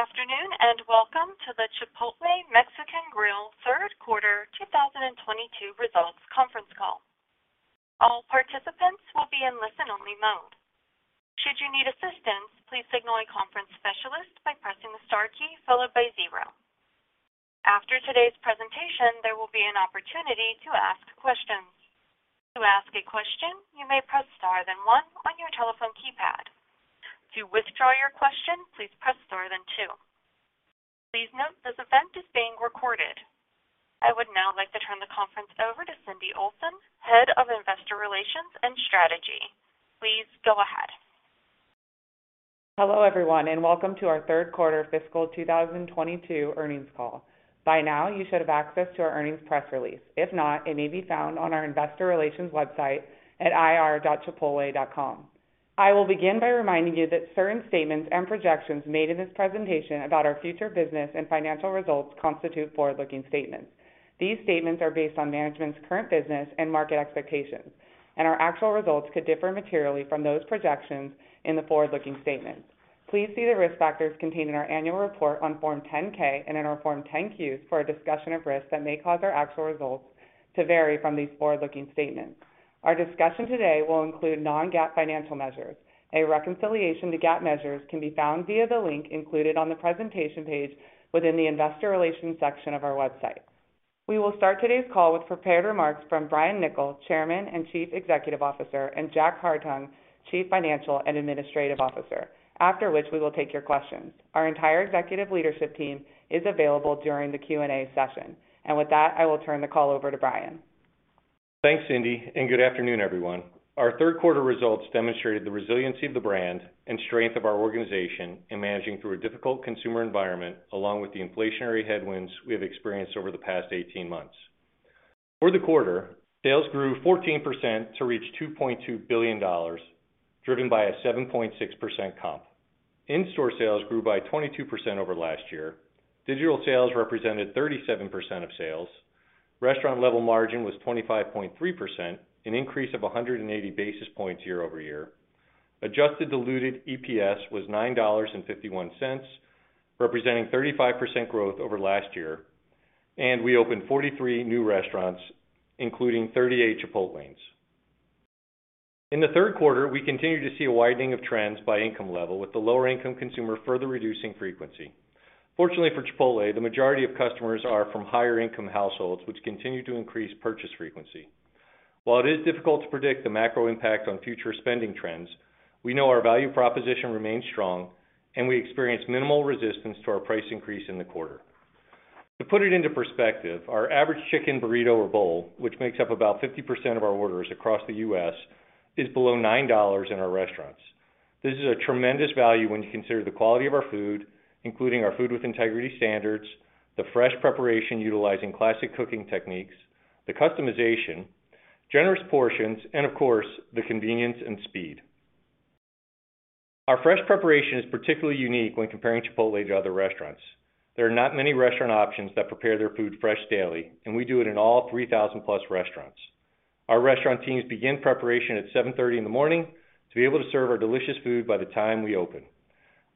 Good afternoon, and welcome to the Chipotle Mexican Grill third quarter 2022 results conference call. All participants will be in listen-only mode. Should you need assistance, please signal a conference specialist by pressing the star key followed by zero. After today's presentation, there will be an opportunity to ask questions. To ask a question, you may press star then one on your telephone keypad. To withdraw your question, please press star then two. Please note this event is being recorded. I would now like to turn the conference over to Cindy Olsen, Head of Investor Relations and Strategy. Please go ahead. Hello, everyone, and welcome to our third quarter fiscal 2022 earnings call. By now, you should have access to our earnings press release. If not, it may be found on our investor relations website at ir.chipotle.com. I will begin by reminding you that certain statements and projections made in this presentation about our future business and financial results constitute forward-looking statements. These statements are based on management's current business and market expectations, and our actual results could differ materially from those projections in the forward-looking statements. Please see the risk factors contained in our annual report on Form 10-K and in our Form 10-Q for a discussion of risks that may cause our actual results to vary from these forward-looking statements. Our discussion today will include non-GAAP financial measures. A reconciliation to GAAP measures can be found via the link included on the presentation page within the investor relations section of our website. We will start today's call with prepared remarks from Brian Niccol, Chairman and Chief Executive Officer, and Jack Hartung, Chief Financial and Administrative Officer, after which we will take your questions. Our entire executive leadership team is available during the Q&A session. With that, I will turn the call over to Brian. Thanks, Cindy, and good afternoon, everyone. Our third quarter results demonstrated the resiliency of the brand and strength of our organization in managing through a difficult consumer environment, along with the inflationary headwinds we have experienced over the past 18 months. For the quarter, sales grew 14% to reach $2.2 billion, driven by a 7.6% comp. In-store sales grew by 22% over last year. Digital sales represented 37% of sales. Restaurant level margin was 25.3%, an increase of 180 basis points year-over-year. Adjusted diluted EPS was $9.51, representing 35% growth over last year. We opened 43 new restaurants, including 38 Chipotles. In the third quarter, we continued to see a widening of trends by income level, with the lower income consumer further reducing frequency. Fortunately for Chipotle, the majority of customers are from higher income households, which continue to increase purchase frequency. While it is difficult to predict the macro impact on future spending trends, we know our value proposition remains strong, and we experience minimal resistance to our price increase in the quarter. To put it into perspective, our average chicken burrito or bowl, which makes up about 50% of our orders across the U.S., is below $9 in our restaurants. This is a tremendous value when you consider the quality of our food, including our Food with Integrity standards, the fresh preparation utilizing classic cooking techniques, the customization, generous portions, and of course, the convenience and speed. Our fresh preparation is particularly unique when comparing Chipotle to other restaurants. There are not many restaurant options that prepare their food fresh daily, and we do it in all 3,000+ restaurants. Our restaurant teams begin preparation at 7:30 A.M. to be able to serve our delicious food by the time we open.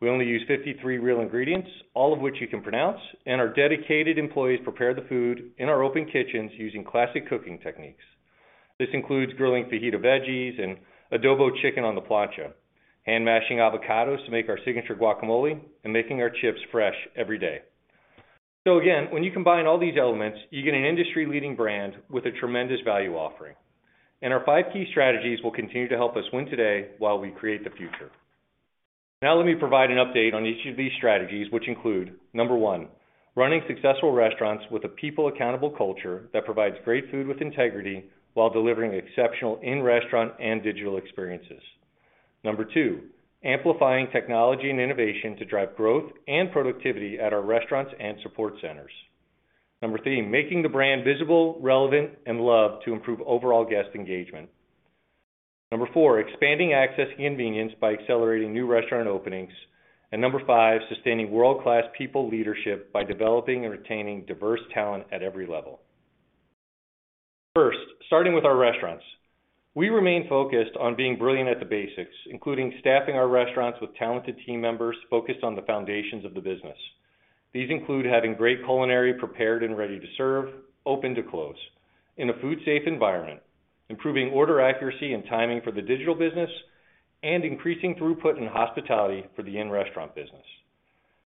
We only use 53 real ingredients, all of which you can pronounce, and our dedicated employees prepare the food in our open kitchens using classic cooking techniques. This includes grilling fajita veggies and adobo chicken on the plancha, hand mashing avocados to make our signature guacamole, and making our chips fresh every day. Again, when you combine all these elements, you get an industry-leading brand with a tremendous value offering. Our five key strategies will continue to help us win today while we create the future. Now let me provide an update on each of these strategies, which include, number one, running successful restaurants with a people accountable culture that provides great Food with Integrity while delivering exceptional in-restaurant and digital experiences. Number two, amplifying technology and innovation to drive growth and productivity at our restaurants and support centers. Number three, making the brand visible, relevant, and loved to improve overall guest engagement. Number four, expanding access and convenience by accelerating new restaurant openings. Number five, sustaining world-class people leadership by developing and retaining diverse talent at every level. First, starting with our restaurants. We remain focused on being brilliant at the basics, including staffing our restaurants with talented team members focused on the foundations of the business. These include having great culinary prepared and ready to serve, open to close in a food safe environment, improving order accuracy and timing for the digital business, and increasing throughput and hospitality for the in-restaurant business.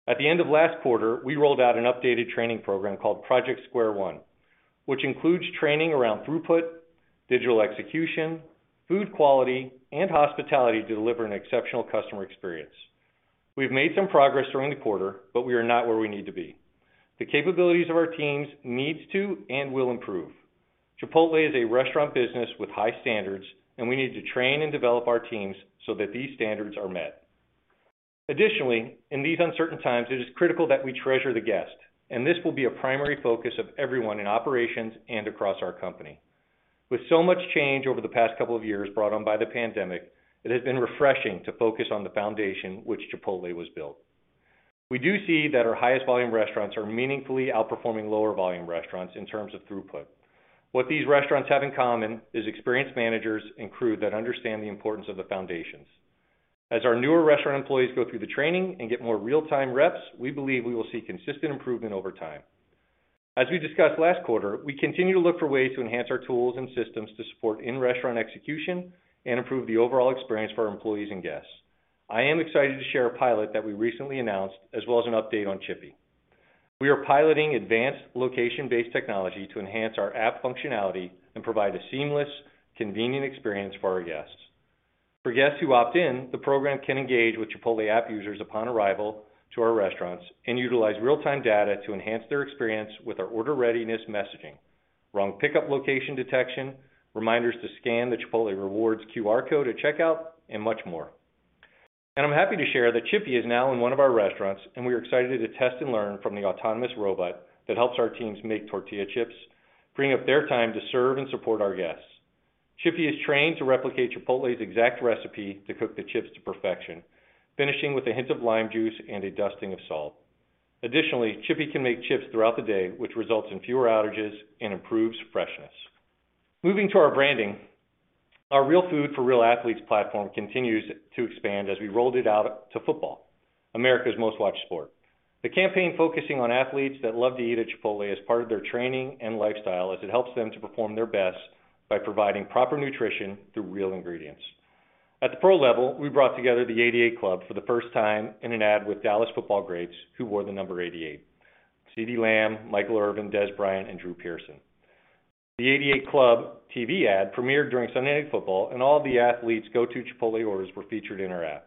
At the end of last quarter, we rolled out an updated training program called Project Square One, which includes training around throughput, digital execution, food quality, and hospitality to deliver an exceptional customer experience. We've made some progress during the quarter, but we are not where we need to be. The capabilities of our teams needs to and will improve. Chipotle is a restaurant business with high standards, and we need to train and develop our teams so that these standards are met. Additionally, in these uncertain times, it is critical that we treasure the guest, and this will be a primary focus of everyone in operations and across our company. With so much change over the past couple of years brought on by the pandemic, it has been refreshing to focus on the foundation which Chipotle was built. We do see that our highest volume restaurants are meaningfully outperforming lower volume restaurants in terms of throughput. What these restaurants have in common is experienced managers and crew that understand the importance of the foundations. As our newer restaurant employees go through the training and get more real-time reps, we believe we will see consistent improvement over time. As we discussed last quarter, we continue to look for ways to enhance our tools and systems to support in-restaurant execution and improve the overall experience for our employees and guests. I am excited to share a pilot that we recently announced, as well as an update on Chippy. We are piloting advanced location-based technology to enhance our app functionality and provide a seamless, convenient experience for our guests. For guests who opt in, the program can engage with Chipotle app users upon arrival to our restaurants and utilize real-time data to enhance their experience with our order readiness messaging, wrong pickup location detection, reminders to scan the Chipotle Rewards QR code at checkout, and much more. I'm happy to share that Chippy is now in one of our restaurants, and we are excited to test and learn from the autonomous robot that helps our teams make tortilla chips, freeing up their time to serve and support our guests. Chippy is trained to replicate Chipotle's exact recipe to cook the chips to perfection, finishing with a hint of lime juice and a dusting of salt. Chippy can make chips throughout the day, which results in fewer outages and improves freshness. Moving to our branding. Our Real Food for Real Athletes platform continues to expand as we rolled it out to football, America's most-watched sport. The campaign focusing on athletes that love to eat at Chipotle as part of their training and lifestyle, as it helps them to perform their best by providing proper nutrition through real ingredients. At the pro level, we brought together the 88 Club for the first time in an ad with Dallas football greats who wore the number 88. CeeDee Lamb, Michael Irvin, Dez Bryant, and Drew Pearson. The 88 Club TV ad premiered during Sunday Night Football, and all the athletes go-to Chipotle orders were featured in our app.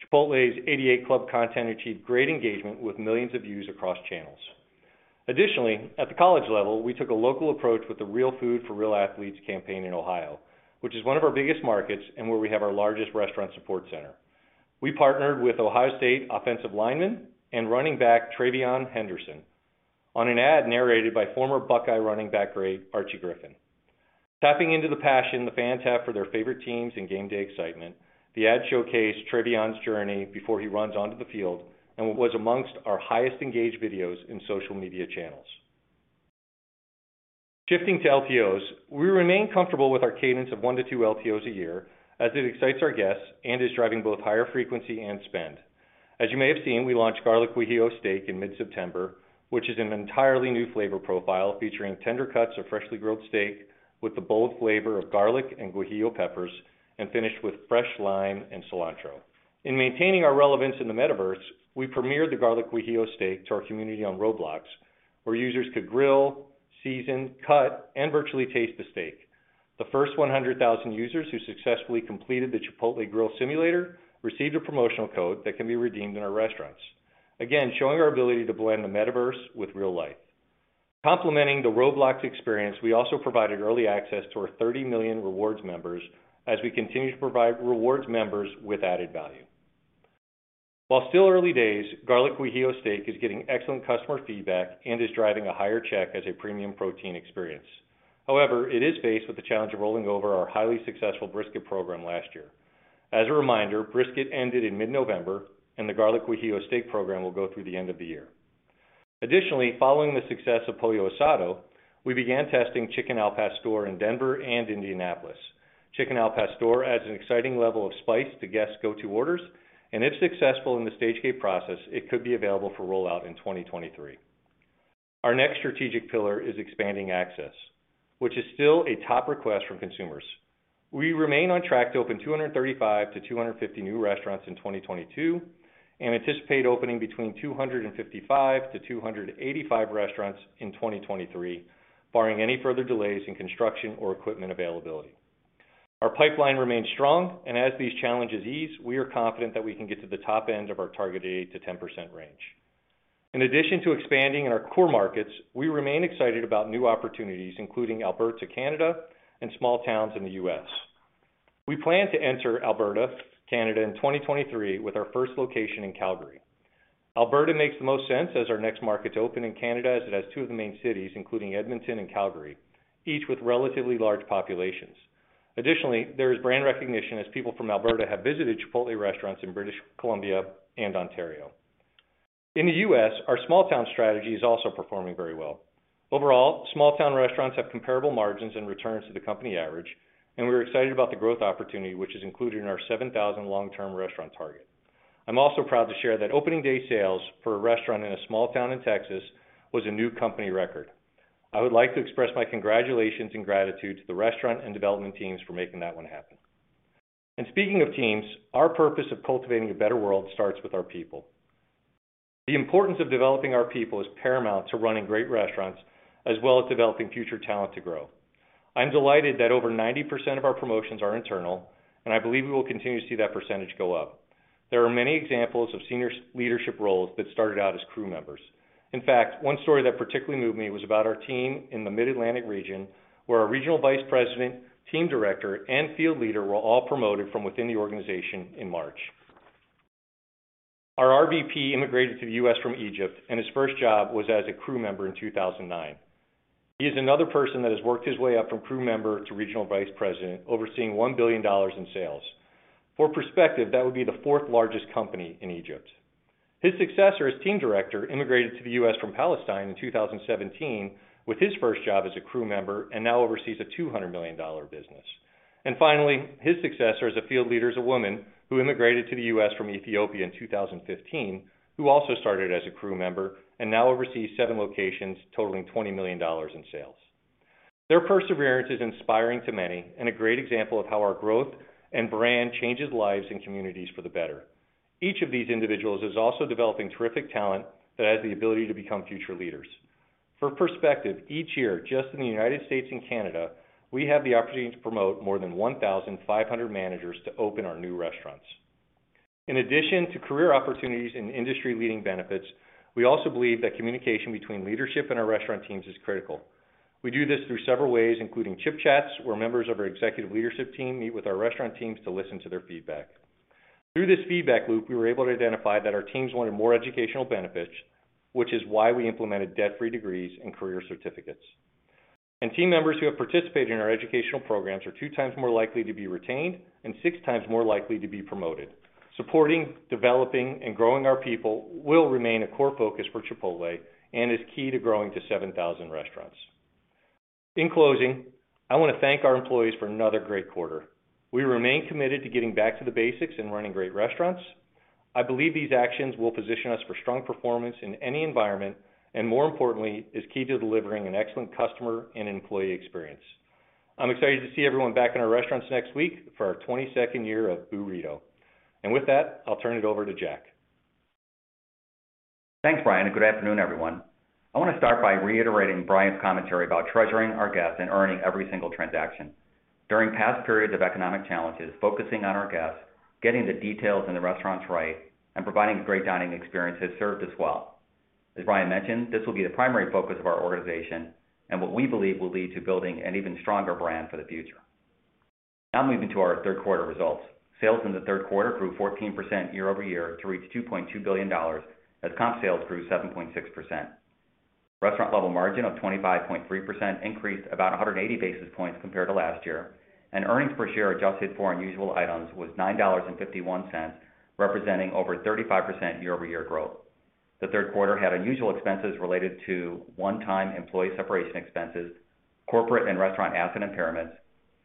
Chipotle's 88 Club content achieved great engagement with millions of views across channels. Additionally, at the college level, we took a local approach with the Real Food for Real Athletes campaign in Ohio, which is one of our biggest markets and where we have our largest restaurant support center. We partnered with Ohio State offensive lineman and running back TreVeyon Henderson on an ad narrated by former Buckeye running back great Archie Griffin. Tapping into the passion the fans have for their favorite teams and game day excitement, the ad showcased TreVeyon's journey before he runs onto the field and was among our highest engaged videos in social media channels. Shifting to LTOs, we remain comfortable with our cadence of 1-2 LTOs a year as it excites our guests and is driving both higher frequency and spend. As you may have seen, we launched Garlic Guajillo Steak in mid-September, which is an entirely new flavor profile featuring tender cuts of freshly grilled steak with the bold flavor of garlic and guajillo peppers and finished with fresh lime and cilantro. In maintaining our relevance in the Metaverse, we premiered the Garlic Guajillo Steak to our community on Roblox, where users could grill, season, cut, and virtually taste the steak. The first 100,000 users who successfully completed the Chipotle Grill Simulator received a promotional code that can be redeemed in our restaurants. Again, showing our ability to blend the Metaverse with real life. Complementing the Roblox experience, we also provided early access to our 30 million rewards members as we continue to provide rewards members with added value. While still early days, Garlic Guajillo Steak is getting excellent customer feedback and is driving a higher check as a premium protein experience. However, it is faced with the challenge of rolling over our highly successful Brisket program last year. As a reminder, Brisket ended in mid-November, and the Garlic Guajillo Steak program will go through the end of the year. Additionally, following the success of Pollo Asado, we began testing Chicken Al Pastor in Denver and Indianapolis. Chicken Al Pastor adds an exciting level of spice to guests' go-to orders. If successful in the stage gate process, it could be available for rollout in 2023. Our next strategic pillar is expanding access, which is still a top request from consumers. We remain on track to open 235-250 new restaurants in 2022 and anticipate opening between 255-285 restaurants in 2023, barring any further delays in construction or equipment availability. Our pipeline remains strong, and as these challenges ease, we are confident that we can get to the top end of our targeted 8%-10% range. In addition to expanding in our core markets, we remain excited about new opportunities, including Alberta, Canada and small towns in the U.S. We plan to enter Alberta, Canada in 2023 with our first location in Calgary. Alberta makes the most sense as our next market to open in Canada as it has two of the main cities, including Edmonton and Calgary, each with relatively large populations. Additionally, there is brand recognition as people from Alberta have visited Chipotle restaurants in British Columbia and Ontario. In the US, our small town strategy is also performing very well. Overall, small town restaurants have comparable margins and returns to the company average, and we're excited about the growth opportunity, which is included in our 7,000 long-term restaurant target. I'm also proud to share that opening day sales for a restaurant in a small town in Texas was a new company record. I would like to express my congratulations and gratitude to the restaurant and development teams for making that one happen. Speaking of teams, our purpose of cultivating a better world starts with our people. The importance of developing our people is paramount to running great restaurants, as well as developing future talent to grow. I'm delighted that over 90% of our promotions are internal, and I believe we will continue to see that percentage go up. There are many examples of senior leadership roles that started out as crew members. In fact, one story that particularly moved me was about our team in the Mid-Atlantic region, where our regional vice president, team director, and field leader were all promoted from within the organization in March. Our RVP immigrated to the U.S. from Egypt, and his first job was as a crew member in 2009. He is another person that has worked his way up from crew member to regional vice president, overseeing $1 billion in sales. For perspective, that would be the fourth largest company in Egypt. His successor as team director immigrated to the US from Palestine in 2017, with his first job as a crew member, and now oversees a $200 million business. Finally, his successor as a field leader is a woman who immigrated to the US from Ethiopia in 2015, who also started as a crew member and now oversees 7 locations totaling $20 million in sales. Their perseverance is inspiring to many and a great example of how our growth and brand changes lives and communities for the better. Each of these individuals is also developing terrific talent that has the ability to become future leaders. For perspective, each year just in the United States and Canada, we have the opportunity to promote more than 1,500 managers to open our new restaurants. In addition to career opportunities and industry leading benefits, we also believe that communication between leadership and our restaurant teams is critical. We do this through several ways, including Chip Chats, where members of our executive leadership team meet with our restaurant teams to listen to their feedback. Through this feedback loop, we were able to identify that our teams wanted more educational benefits, which is why we implemented debt free degrees and career certificates. Team members who have participated in our educational programs are 2 times more likely to be retained and 6 times more likely to be promoted. Supporting, developing, and growing our people will remain a core focus for Chipotle and is key to growing to 7,000 restaurants. In closing, I want to thank our employees for another great quarter. We remain committed to getting back to the basics and running great restaurants. I believe these actions will position us for strong performance in any environment and more importantly, is key to delivering an excellent customer and employee experience. I'm excited to see everyone back in our restaurants next week for our 22nd year of Boorito. With that, I'll turn it over to Jack. Thanks, Brian, and good afternoon, everyone. I want to start by reiterating Brian's commentary about treasuring our guests and earning every single transaction. During past periods of economic challenges, focusing on our guests, getting the details in the restaurants right, and providing a great dining experience has served us well. As Brian mentioned, this will be the primary focus of our organization and what we believe will lead to building an even stronger brand for the future. Now moving to our third quarter results. Sales in the third quarter grew 14% year-over-year to reach $2.2 billion, as comp sales grew 7.6%. Restaurant-level margin of 25.3% increased about 180 basis points compared to last year, and earnings per share adjusted for unusual items was $9.51, representing over 35% year-over-year growth. The third quarter had unusual expenses related to one-time employee separation expenses, corporate and restaurant asset impairments,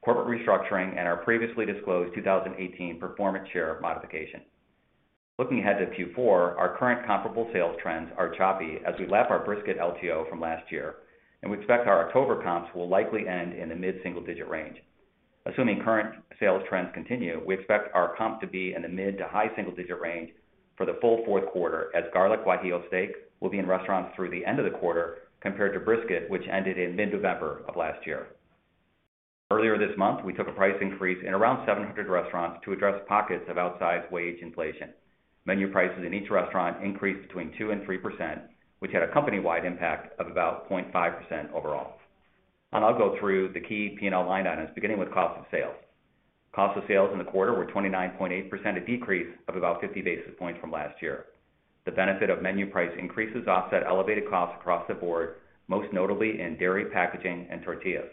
corporate restructuring, and our previously disclosed 2018 performance share modification. Looking ahead to Q4, our current comparable sales trends are choppy as we lap our brisket LTO from last year, and we expect our October comps will likely end in the mid-single-digit range. Assuming current sales trends continue, we expect our comp to be in the mid to high single digit range for the full fourth quarter as Garlic Guajillo Steak will be in restaurants through the end of the quarter compared to Brisket, which ended in mid-November of last year. Earlier this month, we took a price increase in around 700 restaurants to address pockets of outsized wage inflation. Menu prices in each restaurant increased between 2% and 3%, which had a company-wide impact of about 0.5% overall. I'll go through the key P&L line items, beginning with cost of sales. Cost of sales in the quarter were 29.8%, a decrease of about 50 basis points from last year. The benefit of menu price increases offset elevated costs across the board, most notably in dairy, packaging, and tortillas.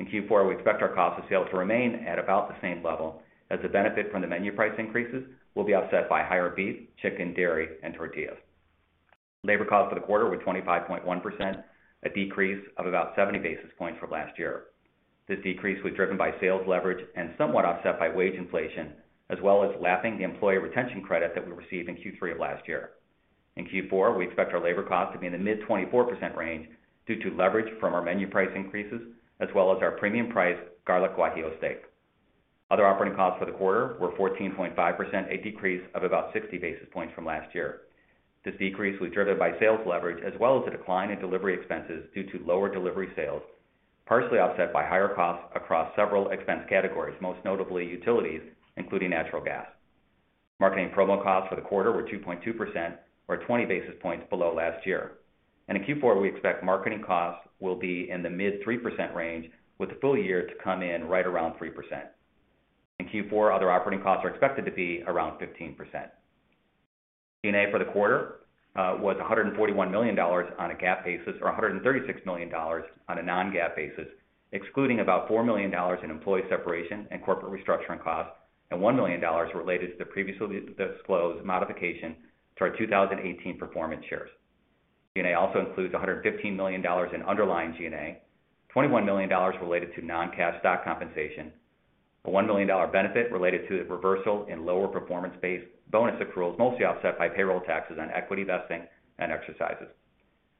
In Q4, we expect our cost of sales to remain at about the same level as the benefit from the menu price increases will be offset by higher beef, chicken, dairy, and tortillas. Labor costs for the quarter were 25.1%, a decrease of about 70 basis points from last year. This decrease was driven by sales leverage and somewhat offset by wage inflation, as well as lapping the employee retention credit that we received in Q3 of last year. In Q4, we expect our labor cost to be in the mid-24% range due to leverage from our menu price increases as well as our premium price Garlic Guajillo Steak. Other operating costs for the quarter were 14.5%, a decrease of about 60 basis points from last year. This decrease was driven by sales leverage as well as a decline in delivery expenses due to lower delivery sales, partially offset by higher costs across several expense categories, most notably utilities, including natural gas. Marketing promo costs for the quarter were 2.2% or 20 basis points below last year. In Q4 we expect marketing costs will be in the mid-3% range with the full year to come in right around 3%. In Q4 other operating costs are expected to be around 15%. G&A for the quarter was $141 million on a GAAP basis or $136 million on a non-GAAP basis, excluding about $4 million in employee separation and corporate restructuring costs, and $1 million related to the previously disclosed modification to our 2018 performance shares. G&A also includes $115 million in underlying G&A, $21 million related to non-cash stock compensation, a $1 million benefit related to the reversal in lower performance-based bonus accruals, mostly offset by payroll taxes on equity vesting and exercises.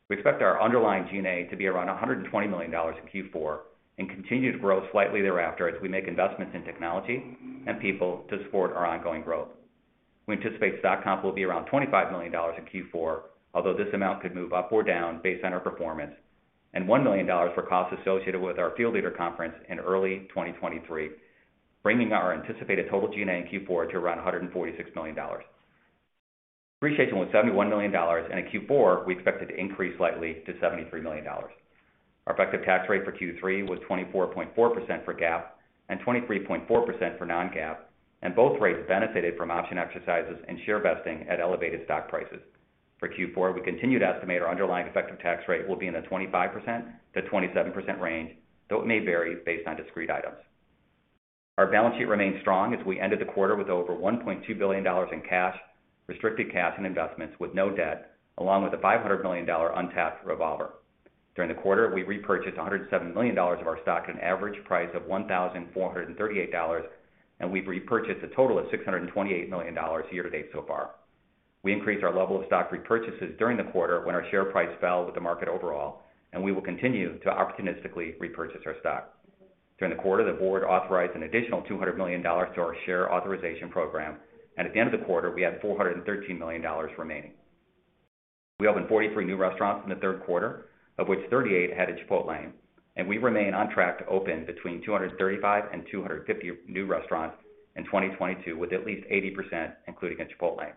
We expect our underlying G&A to be around $120 million in Q4 and continue to grow slightly thereafter as we make investments in technology and people to support our ongoing growth. We anticipate stock comp will be around $25 million in Q4, although this amount could move up or down based on our performance, and $1 million for costs associated with our field leader conference in early 2023, bringing our anticipated total G&A in Q4 to around $146 million. Depreciation was $71 million, and in Q4 we expect it to increase slightly to $73 million. Our effective tax rate for Q3 was 24.4% for GAAP and 23.4% for non-GAAP, and both rates benefited from option exercises and share vesting at elevated stock prices. For Q4, we continue to estimate our underlying effective tax rate will be in the 25%-27% range, though it may vary based on discrete items. Our balance sheet remains strong as we ended the quarter with over $1.2 billion in cash, restricted cash, and investments with no debt, along with a $500 million untapped revolver. During the quarter, we repurchased $107 million of our stock at an average price of $1,438, and we've repurchased a total of $628 million year to date so far. We increased our level of stock repurchases during the quarter when our share price fell with the market overall, and we will continue to opportunistically repurchase our stock. During the quarter, the board authorized an additional $200 million to our share authorization program, and at the end of the quarter, we had $413 million remaining. We opened 43 new restaurants in the third quarter, of which 38 had a Chipotlane, and we remain on track to open between 235-250 new restaurants in 2022, with at least 80% including a Chipotlane.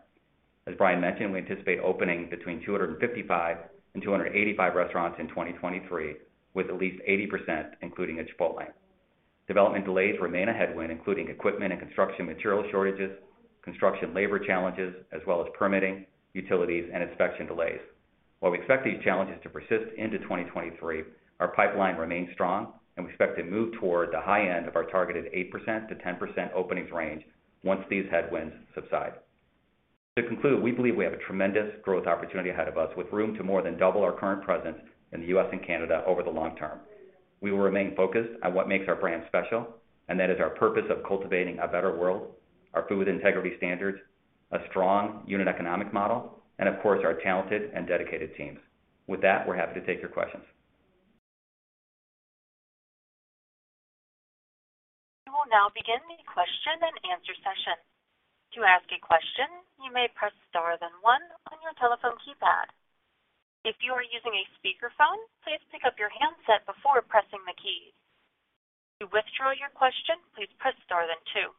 As Brian mentioned, we anticipate opening between 255-285 restaurants in 2023, with at least 80% including a Chipotlane. Development delays remain a headwind, including equipment and construction material shortages, construction labor challenges, as well as permitting, utilities, and inspection delays. While we expect these challenges to persist into 2023, our pipeline remains strong, and we expect to move toward the high end of our targeted 8%-10% openings range once these headwinds subside. To conclude, we believe we have a tremendous growth opportunity ahead of us with room to more than double our current presence in the U.S. and Canada over the long term. We will remain focused on what makes our brand special, and that is our purpose of cultivating a better world, our food integrity standards, a strong unit economic model, and of course, our talented and dedicated teams. With that, we're happy to take your questions. We will now begin the question and answer session. To ask a question, you may press star then one on your telephone keypad. If you are using a speakerphone, please pick up your handset before pressing the key. To withdraw your question, please press star then two.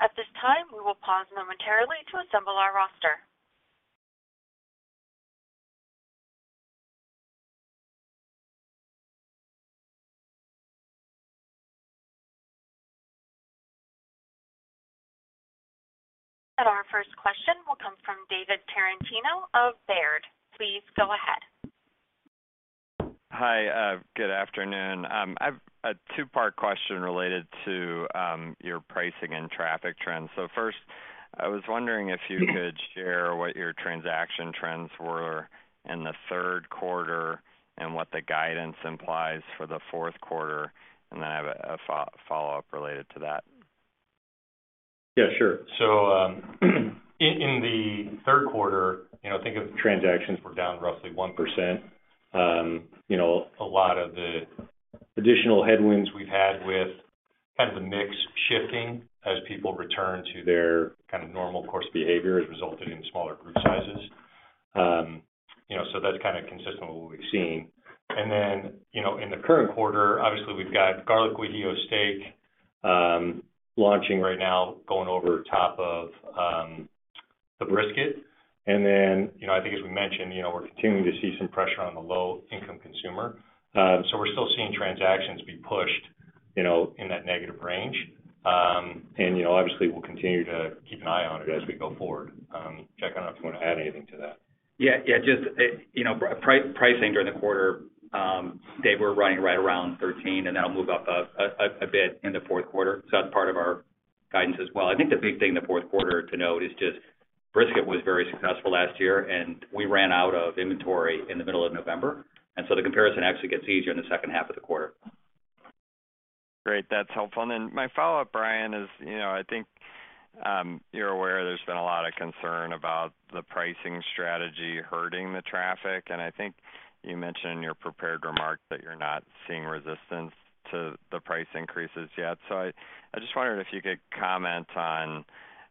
At this time, we will pause momentarily to assemble our roster. Our first question will come from David Tarantino of Baird. Please go ahead. Hi, good afternoon. I have a two-part question related to your pricing and traffic trends. First, I was wondering if you could share what your transaction trends were in the third quarter and what the guidance implies for the fourth quarter, and then I have a follow-up related to that. Yeah, sure. In the third quarter, you know, I think transactions were down roughly 1%. You know, a lot of the additional headwinds we've had with kind of the mix shifting as people return to their kind of normal course behavior has resulted in smaller group sizes. You know, that's kind of consistent with what we've seen. In the current quarter, obviously, we've got Garlic Guajillo Steak launching right now, going over top of the brisket. You know, I think as we mentioned, you know, we're continuing to see some pressure on the low-income consumer. We're still seeing transactions be pushed, you know, in that negative range. You know, obviously, we'll continue to keep an eye on it as we go forward. Jack, I don't know if you want to add anything to that. Yeah, just, you know, pricing during the quarter, Dave, we're running right around 13%, and that'll move up a bit in the fourth quarter. That's part of our guidance as well. I think the big thing in the fourth quarter to note is just brisket was very successful last year, and we ran out of inventory in the middle of November. The comparison actually gets easier in the second half of the quarter. Great. That's helpful. Then my follow-up, Brian, is, you know, I think you're aware there's been a lot of concern about the pricing strategy hurting the traffic. I think you mentioned in your prepared remarks that you're not seeing resistance to the price increases yet. I just wondered if you could comment on,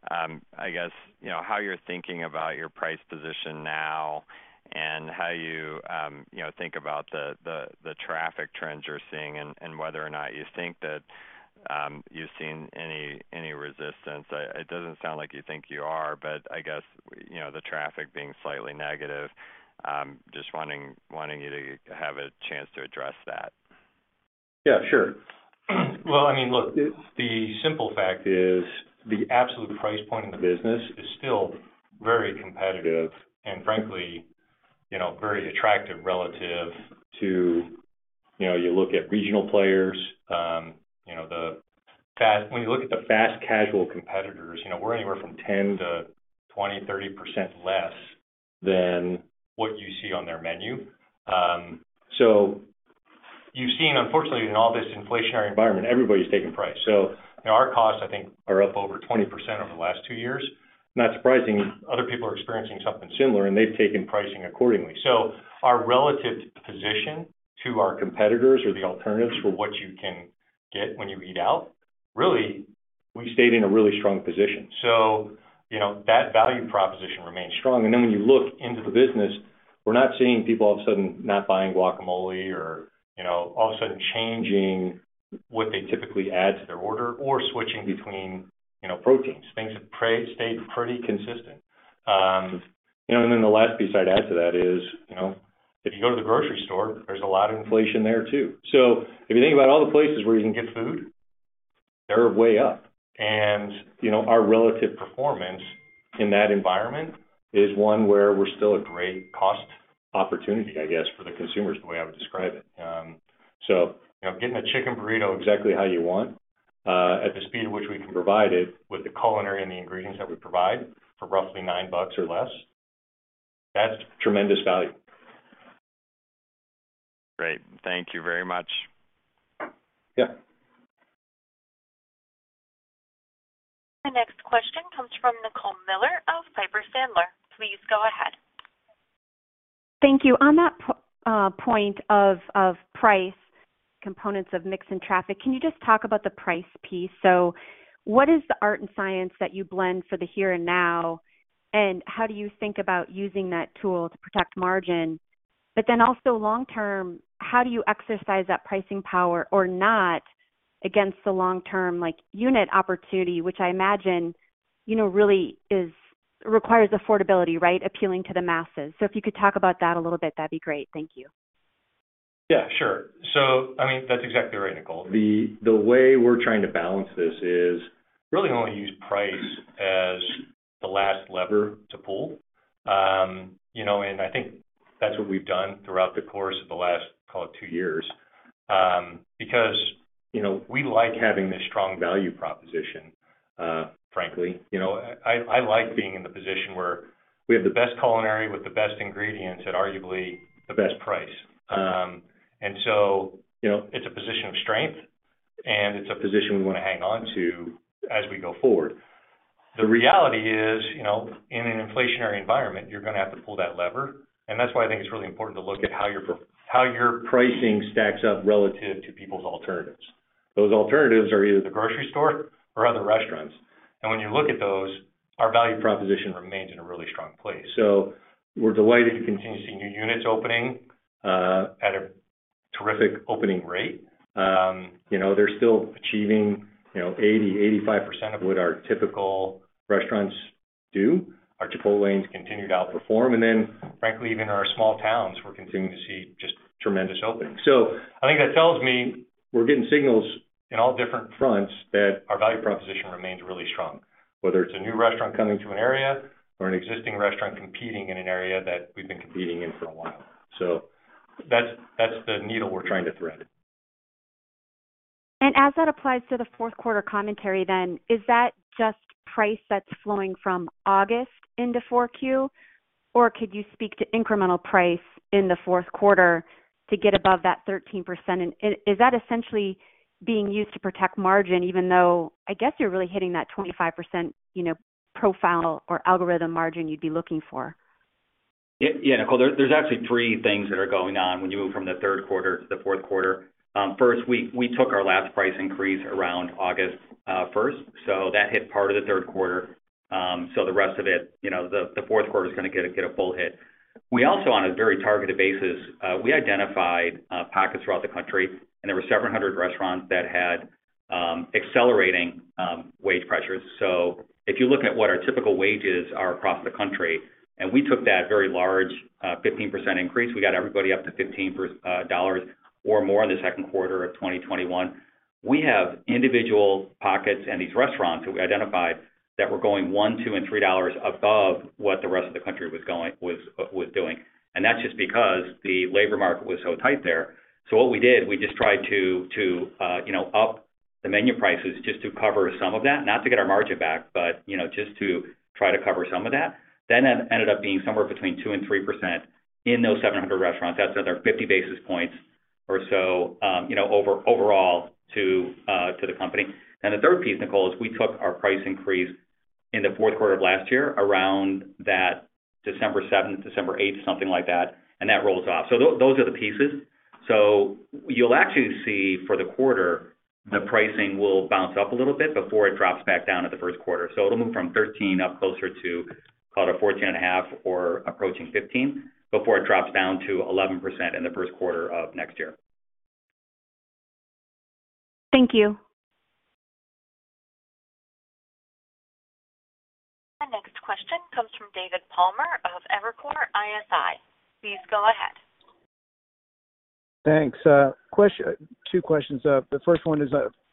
I guess, you know, how you're thinking about your price position now and how you know, think about the traffic trends you're seeing and whether or not you think that you've seen any resistance. It doesn't sound like you think you are, but I guess, you know, the traffic being slightly negative, just wanting you to have a chance to address that. Yeah, sure. Well, I mean, look, the simple fact is the absolute price point in the business is still very competitive and frankly, you know, very attractive relative to, you know, you look at regional players. When you look at the fast casual competitors, you know, we're anywhere from 10%-30% less than what you see on their menu. You've seen, unfortunately, in all this inflationary environment, everybody's taking price. Our costs, I think, are up over 20% over the last two years. Not surprising, other people are experiencing something similar, and they've taken pricing accordingly. Our relative position to our competitors or the alternatives for what you can get when you eat out, really, we stayed in a really strong position. You know, that value proposition remains strong. When you look into the business, we're not seeing people all of a sudden not buying guacamole or, you know, all of a sudden changing what they typically add to their order or switching between, you know, proteins. Things have stayed pretty consistent. You know, the last piece I'd add to that is, you know, if you go to the grocery store, there's a lot of inflation there too. If you think about all the places where you can get food, they're way up. You know, our relative performance in that environment is one where we're still a great cost opportunity, I guess, for the consumers, the way I would describe it. You know, getting a chicken burrito exactly how you want at the speed at which we can provide it with the culinary and the ingredients that we provide for roughly $9 or less, that's tremendous value. Great. Thank you very much. Yeah. The next question comes from Nicole Miller of Piper Sandler. Please go ahead. Thank you. On that point of price components of mix and traffic, can you just talk about the price piece? What is the art and science that you blend for the here and now? How do you think about using that tool to protect margin? Then also long term, how do you exercise that pricing power or not against the long term, like, unit opportunity, which I imagine, you know, really requires affordability, right? Appealing to the masses. If you could talk about that a little bit, that'd be great. Thank you. Yeah, sure. I mean, that's exactly right, Nicole. The way we're trying to balance this is really wanna use price as the last lever to pull. You know, I think that's what we've done throughout the course of the last, call it, two years. Because, you know, we like having this strong value proposition, frankly. You know, I like being in the position where we have the best culinary with the best ingredients at arguably the best price. You know, it's a position of strength, and it's a position we wanna hang on to as we go forward. The reality is, you know, in an inflationary environment, you're gonna have to pull that lever, and that's why I think it's really important to look at how your pricing stacks up relative to people's alternatives. Those alternatives are either the grocery store or other restaurants. When you look at those, our value proposition remains in a really strong place. We're delighted to continue to see new units opening at a terrific opening rate. You know, they're still achieving, you know, 80%-85% of what our typical restaurants do. Our Chipotlanes continue to outperform. Then frankly, even our small towns, we're continuing to see just tremendous openings. I think that tells me we're getting signals in all different fronts that our value proposition remains really strong, whether it's a new restaurant coming to an area or an existing restaurant competing in an area that we've been competing in for a while. That's the needle we're trying to thread. As that applies to the fourth quarter commentary, then, is that just price that's flowing from August into Q4? Or could you speak to incremental price in the fourth quarter to get above that 13%? Is that essentially being used to protect margin even though I guess you're really hitting that 25%, you know, profile or algorithm margin you'd be looking for. Yeah. Yeah, Nicole. There's actually three things that are going on when you move from the third quarter to the fourth quarter. First, we took our last price increase around August first. That hit part of the third quarter. The rest of it, the fourth quarter is gonna get a full hit. We also, on a very targeted basis, we identified pockets throughout the country, and there were several hundred restaurants that had accelerating wage pressures. If you're looking at what our typical wages are across the country, and we took that very large 15% increase. We got everybody up to $15 or more in the second quarter of 2021. We have individual pockets in these restaurants that we identified that were going $1, $2, and $3 above what the rest of the country was doing. That's just because the labor market was so tight there. What we did, we just tried to you know, up the menu prices just to cover some of that. Not to get our margin back, but, you know, just to try to cover some of that. It ended up being somewhere between 2%-3% in those 700 restaurants. That's another 50 basis points or so, you know, overall to the company. The third piece, Nicole, is we took our price increase in the fourth quarter of last year around that December seventh, December eighth, something like that, and that rolls off. Those are the pieces. You'll actually see for the quarter, the pricing will bounce up a little bit before it drops back down at the first quarter. It'll move from 13% up closer to call it 14.5% or approaching 15% before it drops down to 11% in the first quarter of next year. Thank you. Our next question comes from David Palmer of Evercore ISI. Please go ahead. Two questions. The first one is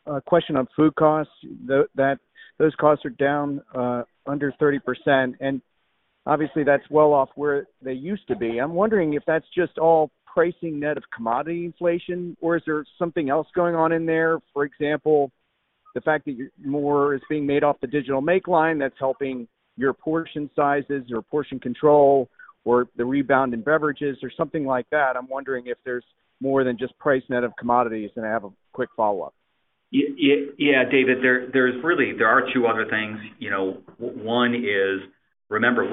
a question on food costs. Those costs are down under 30%, and obviously, that's well off where they used to be. I'm wondering if that's just all pricing net of commodity inflation, or is there something else going on in there? For example, the fact that more is being made off the digital make line that's helping your portion sizes, your portion control, or the rebound in beverages or something like that. I'm wondering if there's more than just price net of commodities. I have a quick follow-up. Yeah, David, there are two other things. You know, one is, remember,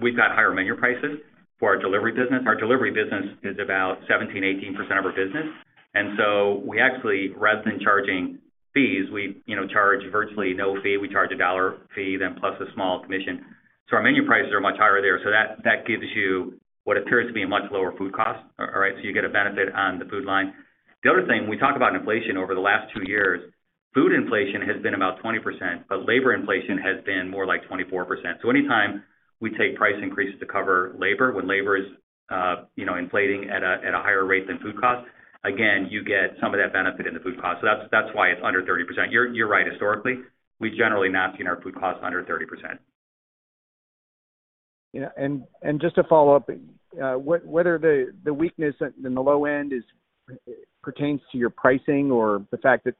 we've got higher menu prices for our delivery business. Our delivery business is about 17%-18% of our business. We actually, rather than charging fees, you know, charge virtually no fee. We charge a $1 fee then plus a small commission. Our menu prices are much higher there. That gives you what appears to be a much lower food cost. All right. You get a benefit on the food line. The other thing, we talk about inflation over the last two years. Food inflation has been about 20%, but labor inflation has been more like 4%. Anytime we take price increases to cover labor, when labor is, you know, inflating at a higher rate than food costs, again, you get some of that benefit in the food cost. That's why it's under 30%. You're right, historically, we've generally not seen our food costs under 30%. Yeah. Just to follow up, whether the weakness in the low end pertains to your pricing or the fact that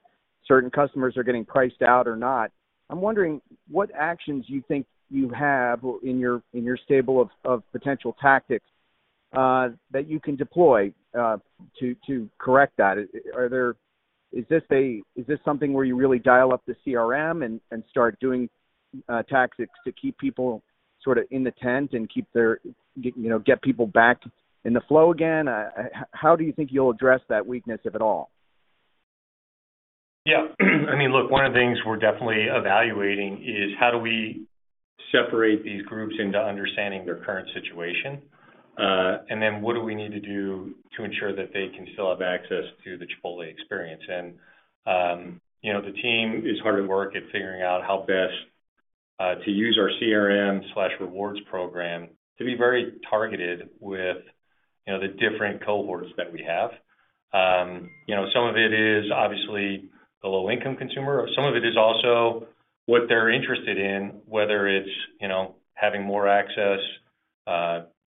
certain customers are getting priced out or not, I'm wondering what actions you think you have in your stable of potential tactics that you can deploy to correct that. Is this something where you really dial up the CRM and start doing tactics to keep people sort of in the tent and keep their, you know, get people back in the flow again? How do you think you'll address that weakness, if at all? Yeah. I mean, look, one of the things we're definitely evaluating is how do we separate these groups into understanding their current situation, and then what do we need to do to ensure that they can still have access to the Chipotle experience. You know, the team is hard at work figuring out how best to use our CRM/rewards program to be very targeted with, you know, the different cohorts that we have. You know, some of it is obviously the low-income consumer. Some of it is also what they're interested in, whether it's, you know, having more access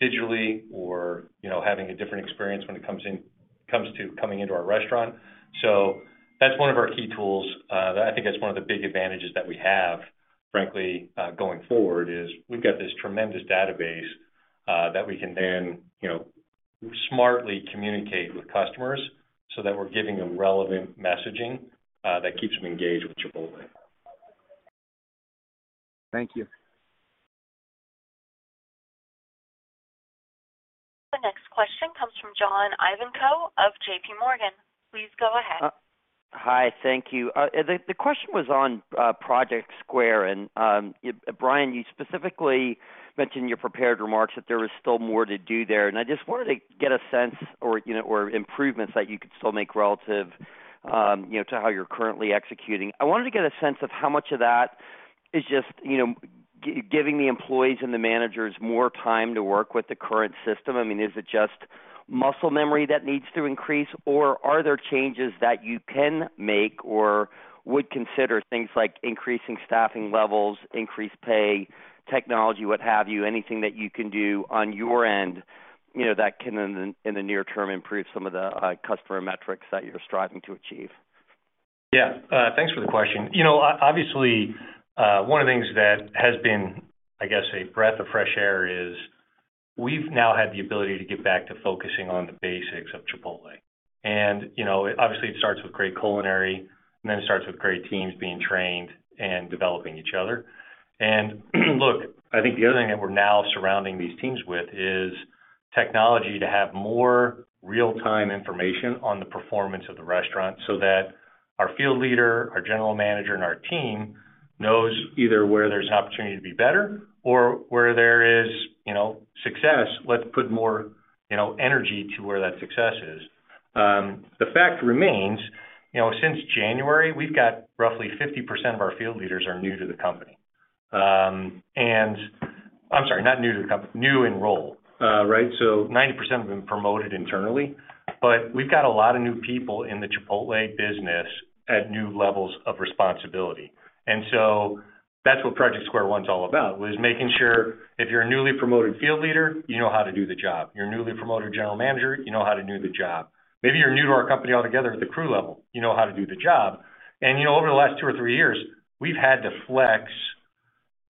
digitally or, you know, having a different experience when it comes to coming into our restaurant. That's one of our key tools that I think is one of the big advantages that we have, frankly, going forward, is we've got this tremendous database that we can then, you know, smartly communicate with customers so that we're giving them relevant messaging that keeps them engaged with Chipotle. Thank you. The next question comes from John Ivankoe of J.P. Morgan. Please go ahead. Hi. Thank you. The question was on Project Square One, and Brian, you specifically mentioned in your prepared remarks that there was still more to do there, and I just wanted to get a sense or, you know, or improvements that you could still make relative, you know, to how you're currently executing. I wanted to get a sense of how much of that is just, you know, giving the employees and the managers more time to work with the current system. I mean, is it just muscle memory that needs to increase, or are there changes that you can make or would consider things like increasing staffing levels, increased pay, technology, what have you, anything that you can do on your end, you know, that can in the near term, improve some of the customer metrics that you're striving to achieve? Yeah. Thanks for the question. You know, obviously, one of the things that has been, I guess, a breath of fresh air is we've now had the ability to get back to focusing on the basics of Chipotle. You know, obviously it starts with great culinary, and then it starts with great teams being trained and developing each other. Look, I think the other thing that we're now surrounding these teams with is technology to have more real-time information on the performance of the restaurant so that our field leader, our general manager, and our team knows either where there's an opportunity to be better or where there is, you know, success. Let's put more, you know, energy to where that success is. The fact remains, you know, since January, we've got roughly 50% of our field leaders are new to the company. I'm sorry, not new to the company, new in role. Right? 90% of them promoted internally, but we've got a lot of new people in the Chipotle business at new levels of responsibility. That's what Project Square One is all about, making sure if you're a newly promoted field leader, you know how to do the job. You're a newly promoted general manager, you know how to do the job. Maybe you're new to our company altogether at the crew level, you know how to do the job. You know, over the last 2 or 3 years, we've had to flex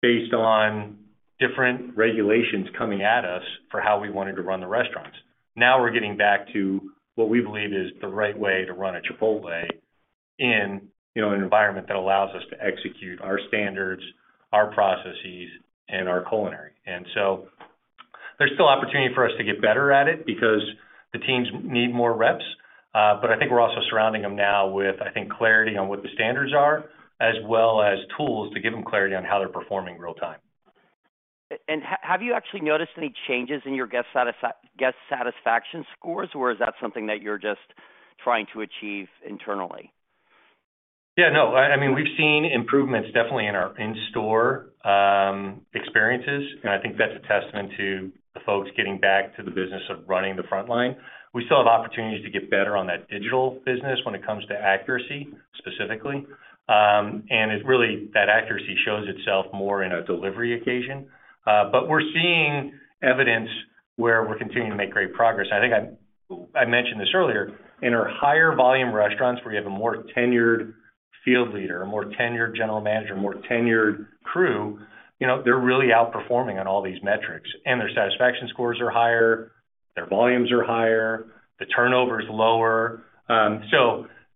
based on different regulations coming at us for how we wanted to run the restaurants. Now we're getting back to what we believe is the right way to run a Chipotle in, you know, an environment that allows us to execute our standards, our processes, and our culinary. There's still opportunity for us to get better at it because the teams need more reps. I think we're also surrounding them now with, I think, clarity on what the standards are, as well as tools to give them clarity on how they're performing real-time. Have you actually noticed any changes in your guest satisfaction scores, or is that something that you're just trying to achieve internally? Yeah, no. I mean, we've seen improvements definitely in our in-store experiences, and I think that's a testament to the folks getting back to the business of running the front line. We still have opportunities to get better on that digital business when it comes to accuracy, specifically. That accuracy shows itself more in a delivery occasion. But we're seeing evidence where we're continuing to make great progress. I think I mentioned this earlier. In our higher volume restaurants, where you have a more tenured field leader, a more tenured general manager, a more tenured crew, you know, they're really outperforming on all these metrics. Their satisfaction scores are higher, their volumes are higher, the turnover is lower.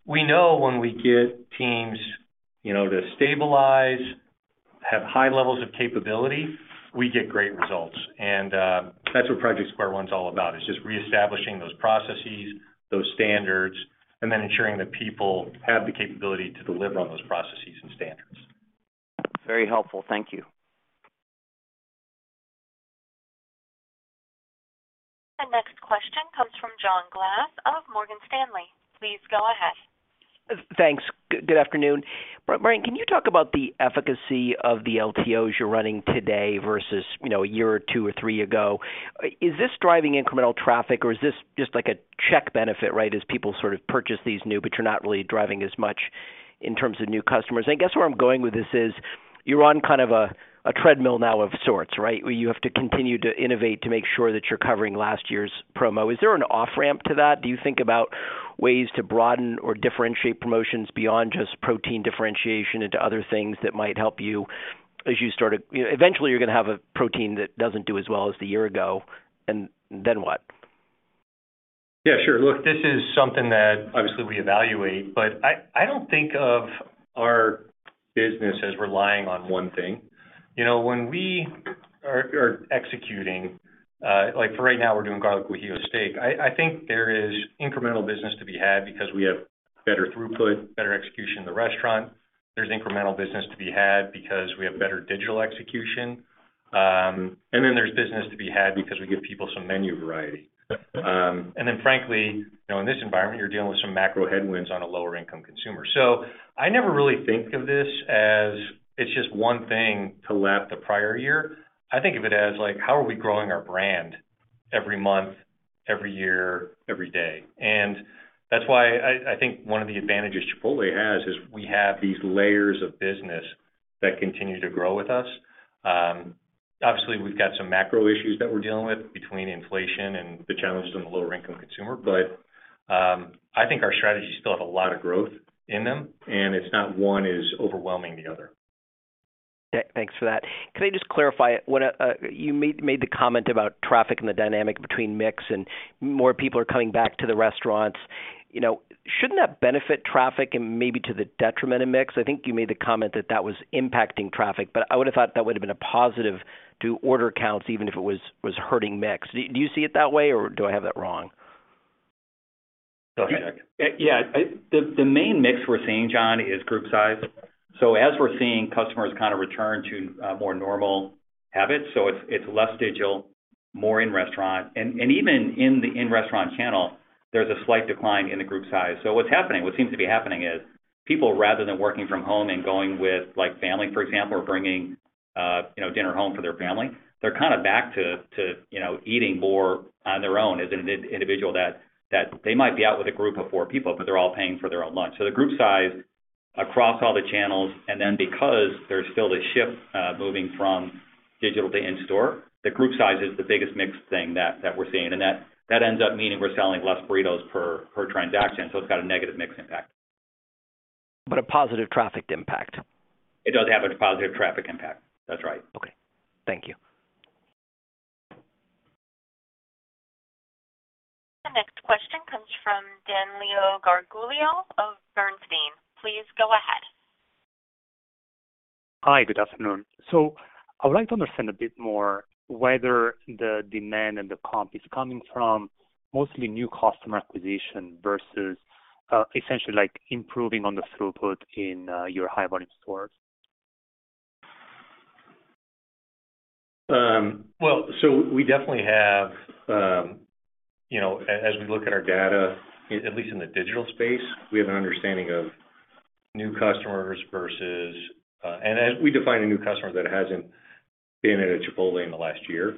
We know when we get teams, you know, to stabilize, have high levels of capability, we get great results. That's what Project Square One is all about. It's just reestablishing those processes, those standards, and then ensuring that people have the capability to deliver on those processes and standards. Very helpful. Thank you. The next question comes from John Glass of Morgan Stanley. Please go ahead. Thanks. Good afternoon. Brian, can you talk about the efficacy of the LTOs you're running today versus, you know, a year or two or three ago? Is this driving incremental traffic or is this just like a check benefit, right, as people sort of purchase these new, but you're not really driving as much in terms of new customers? I guess where I'm going with this is you're on kind of a treadmill now of sorts, right? Where you have to continue to innovate to make sure that you're covering last year's promo. Is there an off-ramp to that? Do you think about ways to broaden or differentiate promotions beyond just protein differentiation into other things that might help you. Eventually, you're going to have a protein that doesn't do as well as the year ago and then what? Yeah, sure. Look, this is something that obviously we evaluate, but I don't think of our business as relying on one thing. You know, when we are executing, like for right now, we're doing Garlic Guajillo Steak. I think there is incremental business to be had because we have better throughput, better execution in the restaurant. There's incremental business to be had because we have better digital execution. And then there's business to be had because we give people some menu variety. And then frankly, you know, in this environment, you're dealing with some macro headwinds on a lower income consumer. I never really think of this as it's just one thing to lap the prior year. I think of it as, like, how are we growing our brand every month, every year, every day? That's why I think one of the advantages Chipotle has is we have these layers of business that continue to grow with us. Obviously, we've got some macro issues that we're dealing with between inflation and the challenges in the lower income consumer. I think our strategies still have a lot of growth in them, and it's not one is overwhelming the other. Thanks for that. Can I just clarify, when you made the comment about traffic and the dynamic between mix and more people are coming back to the restaurants. You know, shouldn't that benefit traffic and maybe to the detriment of mix? I think you made the comment that that was impacting traffic, but I would have thought that would have been a positive to order counts, even if it was hurting mix. Do you see it that way or do I have that wrong? Go ahead, Jack. Yeah. The main mix we're seeing, John, is group size. As we're seeing customers kind of return to more normal habits, so it's less digital, more in restaurant. Even in the in-restaurant channel, there's a slight decline in the group size. What seems to be happening is people rather than working from home and going with, like, family, for example, or bringing, you know, dinner home for their family, they're kind of back to, you know, eating more on their own as an individual that they might be out with a group of four people, but they're all paying for their own lunch. The group size across all the channels, and then because there's still this shift, moving from digital to in-store, the group size is the biggest mix thing that we're seeing. That ends up meaning we're selling less burritos per transaction, so it's got a negative mix impact. A positive traffic impact. It does have a positive traffic impact. That's right. Okay. Thank you. The next question comes from Danilo Gargiulo of Bernstein. Please go ahead. Hi, good afternoon. I would like to understand a bit more whether the demand and the comp is coming from mostly new customer acquisition versus, essentially, like, improving on the throughput in your high volume stores. We definitely have, you know, as we look at our data, at least in the digital space, we have an understanding of new customers. As we define a new customer that hasn't been at a Chipotle in the last year,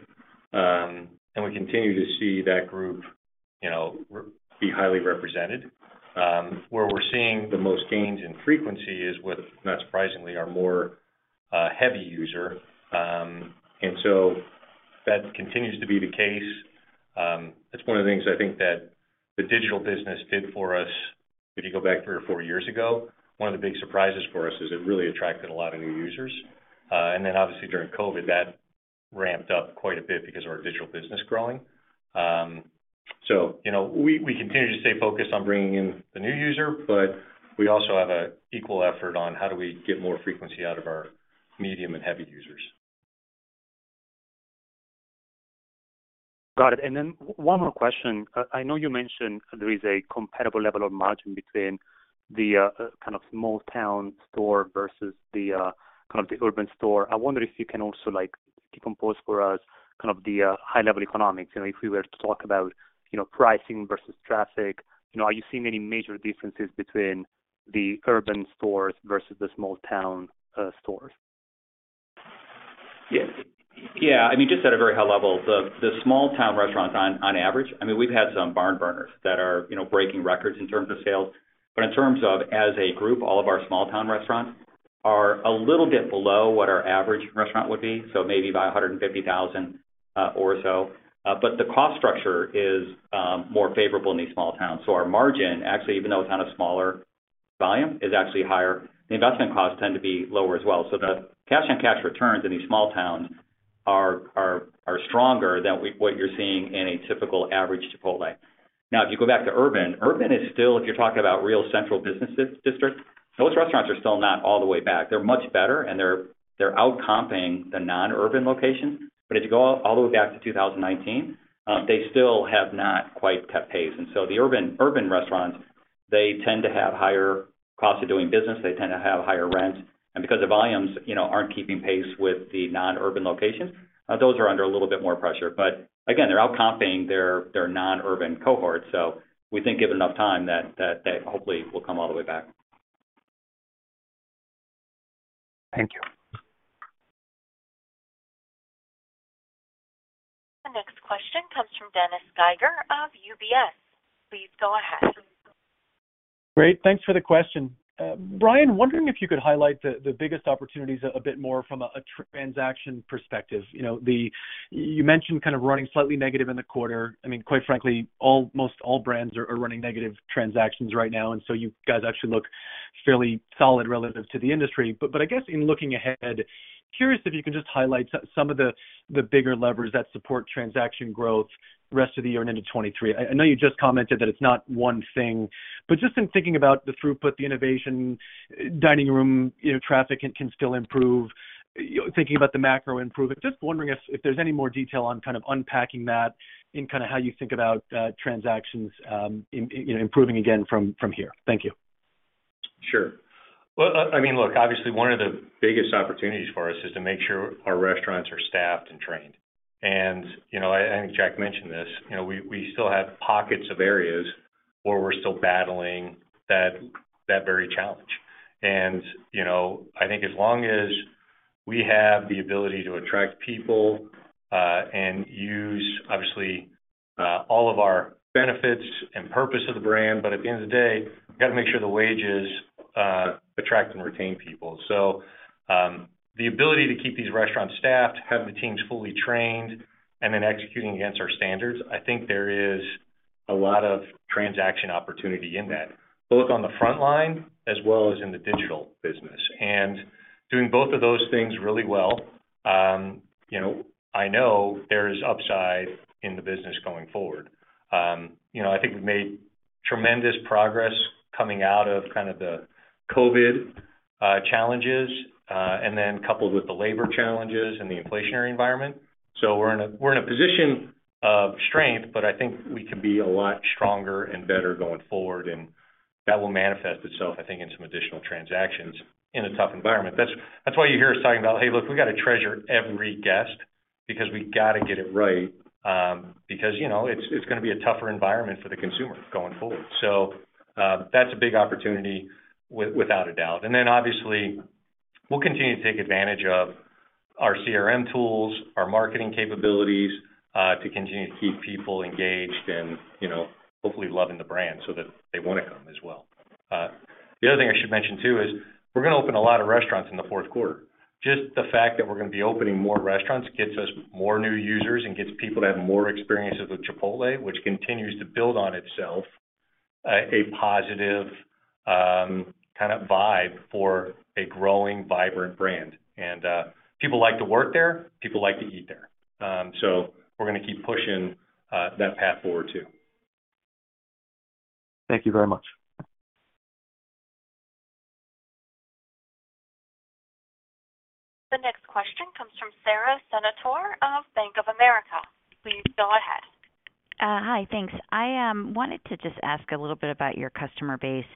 and we continue to see that group, you know, be highly represented. Where we're seeing the most gains in frequency is with, not surprisingly, our more heavy user. That continues to be the case. It's one of the things I think that the digital business did for us. If you go back three or four years ago, one of the big surprises for us is it really attracted a lot of new users. Then obviously during COVID, that ramped up quite a bit because of our digital business growing. you know, we continue to stay focused on bringing in the new user, but we also have an equal effort on how do we get more frequency out of our medium and heavy users. Got it. One more question. I know you mentioned there is a comparable level of margin between the kind of small town store versus the kind of the urban store. I wonder if you can also, like, decompose for us kind of the high level economics. You know, if we were to talk about, you know, pricing versus traffic, you know, are you seeing any major differences between the urban stores versus the small town stores? Yes. Yeah. I mean, just at a very high level, the small town restaurants on average, I mean, we've had some barn burners that are, you know, breaking records in terms of sales. In terms of as a group, all of our small town restaurants are a little bit below what our average restaurant would be. Maybe by $150,000 or so. The cost structure is more favorable in these small towns. Our margin, actually, even though it's kind of smaller volume, is actually higher. The investment costs tend to be lower as well. The cash-on-cash returns in these small towns are stronger than what you're seeing in a typical average Chipotle. Now, if you go back to urban is still if you're talking about real central business district, those restaurants are still not all the way back. They're much better, and they're outcomping the non-urban locations. But if you go all the way back to 2019, they still have not quite kept pace. The urban restaurants. They tend to have higher costs of doing business. They tend to have higher rent. Because the volumes, you know, aren't keeping pace with the non-urban locations, those are under a little bit more pressure. Again, they're outcompeting their non-urban cohorts. We think given enough time that hopefully will come all the way back. Thank you. The next question comes from Dennis Geiger of UBS. Please go ahead. Great. Thanks for the question. Brian, wondering if you could highlight the biggest opportunities a bit more from a transaction perspective. You know, you mentioned kind of running slightly negative in the quarter. I mean, quite frankly, most all brands are running negative transactions right now, and so you guys actually look fairly solid relative to the industry. I guess in looking ahead, curious if you can just highlight some of the bigger levers that support transaction growth the rest of the year and into 2023. I know you just commented that it's not one thing. Just in thinking about the throughput, the innovation, dining room, you know, traffic can still improve, you know, thinking about the macro improving, just wondering if there's any more detail on kind of unpacking that in kind of how you think about transactions, you know, improving again from here. Thank you. Sure. Well, I mean, look, obviously one of the biggest opportunities for us is to make sure our restaurants are staffed and trained. You know, and Jack mentioned this, you know, we still have pockets of areas where we're still battling that very challenge. You know, I think as long as we have the ability to attract people and use obviously all of our benefits and purpose of the brand, but at the end of the day, we've gotta make sure the wages attract and retain people. The ability to keep these restaurants staffed, have the teams fully trained, and then executing against our standards, I think there is a lot of transaction opportunity in that, both on the front line as well as in the digital business. Doing both of those things really well, you know, I know there's upside in the business going forward. You know, I think we've made tremendous progress coming out of kind of the COVID challenges, and then coupled with the labor challenges and the inflationary environment. We're in a position of strength, but I think we can be a lot stronger and better going forward, and that will manifest itself, I think, in some additional transactions in a tough environment. That's why you hear us talking about, "Hey, look, we've gotta treasure every guest because we've gotta get it right, because, you know, it's gonna be a tougher environment for the consumer going forward." That's a big opportunity without a doubt. Obviously, we'll continue to take advantage of our CRM tools, our marketing capabilities, to continue to keep people engaged and, you know, hopefully loving the brand so that they wanna come as well. The other thing I should mention too is we're gonna open a lot of restaurants in the fourth quarter. Just the fact that we're gonna be opening more restaurants gets us more new users and gets people to have more experiences with Chipotle, which continues to build on itself, a positive kind of vibe for a growing, vibrant brand. People like to work there, people like to eat there. We're gonna keep pushing that path forward too. Thank you very much. The next question comes from Sara Senatore of Bank of America. Please go ahead. Hi. Thanks. I wanted to just ask a little bit about your customer base.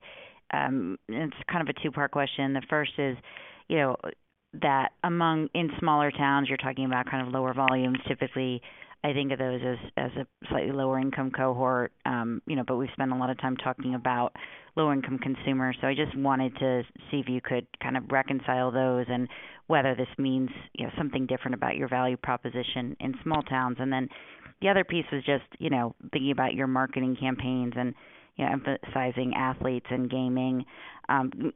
It's kind of a two-part question. The first is, you know, that in smaller towns, you're talking about kind of lower volumes. Typically, I think of those as a slightly lower income cohort. You know, we spend a lot of time talking about low-income consumers. I just wanted to see if you could kind of reconcile those and whether this means, you know, something different about your value proposition in small towns. Then the other piece is just, you know, thinking about your marketing campaigns and, you know, emphasizing athletes and gaming.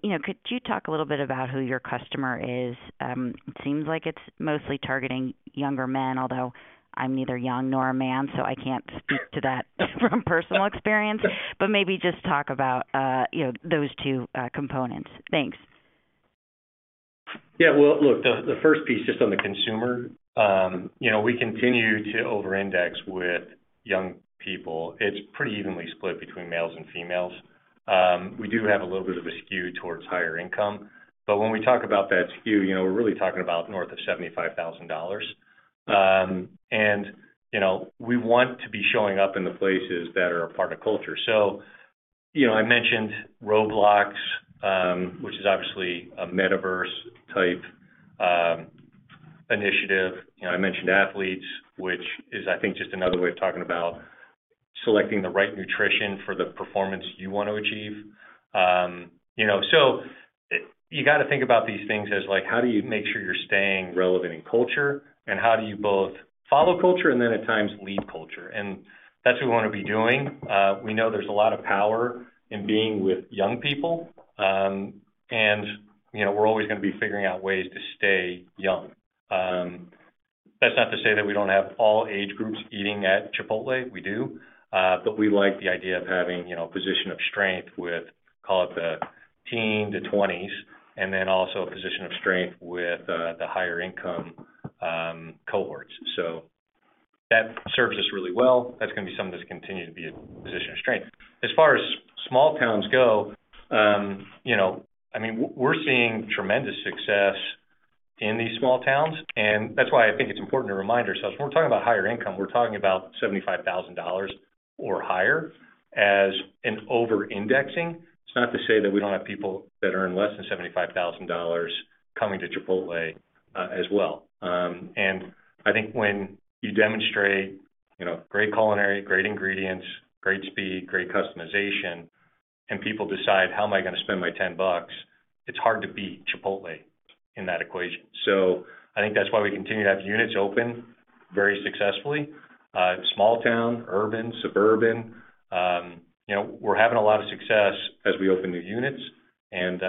You know, could you talk a little bit about who your customer is? It seems like it's mostly targeting younger men, although I'm neither young nor a man, so I can't speak to that from personal experience. Maybe just talk about, you know, those two components. Thanks. Yeah. Well, look, the first piece, just on the consumer, you know, we continue to over-index with young people. It's pretty evenly split between males and females. We do have a little bit of a skew towards higher income. When we talk about that skew, you know, we're really talking about north of $75,000. You know, we want to be showing up in the places that are a part of culture. You know, I mentioned Roblox, which is obviously a Metaverse-type initiative. You know, I mentioned athletes, which is, I think, just another way of talking about selecting the right nutrition for the performance you want to achieve. You know, you gotta think about these things as, like, how do you make sure you're staying relevant in culture and how do you both follow culture and then at times lead culture? That's what we wanna be doing. We know there's a lot of power in being with young people. You know, we're always gonna be figuring out ways to stay young. That's not to say that we don't have all age groups eating at Chipotle. We do. We like the idea of having, you know, a position of strength with, call it the teen to twenties, and then also a position of strength with the higher income cohorts. That serves us really well. That's gonna be something that's continued to be a position of strength. As far as small towns go. You know, I mean, we're seeing tremendous success in these small towns, and that's why I think it's important to remind ourselves when we're talking about higher income, we're talking about $75,000 or higher as an over-indexing. It's not to say that we don't have people that earn less than $75,000 coming to Chipotle, as well. I think when you demonstrate, you know, great culinary, great ingredients, great speed, great customization, and people decide, how am I gonna spend my $10? It's hard to beat Chipotle in that equation. I think that's why we continue to have units open very successfully. Small town, urban, suburban, you know, we're having a lot of success as we open new units, and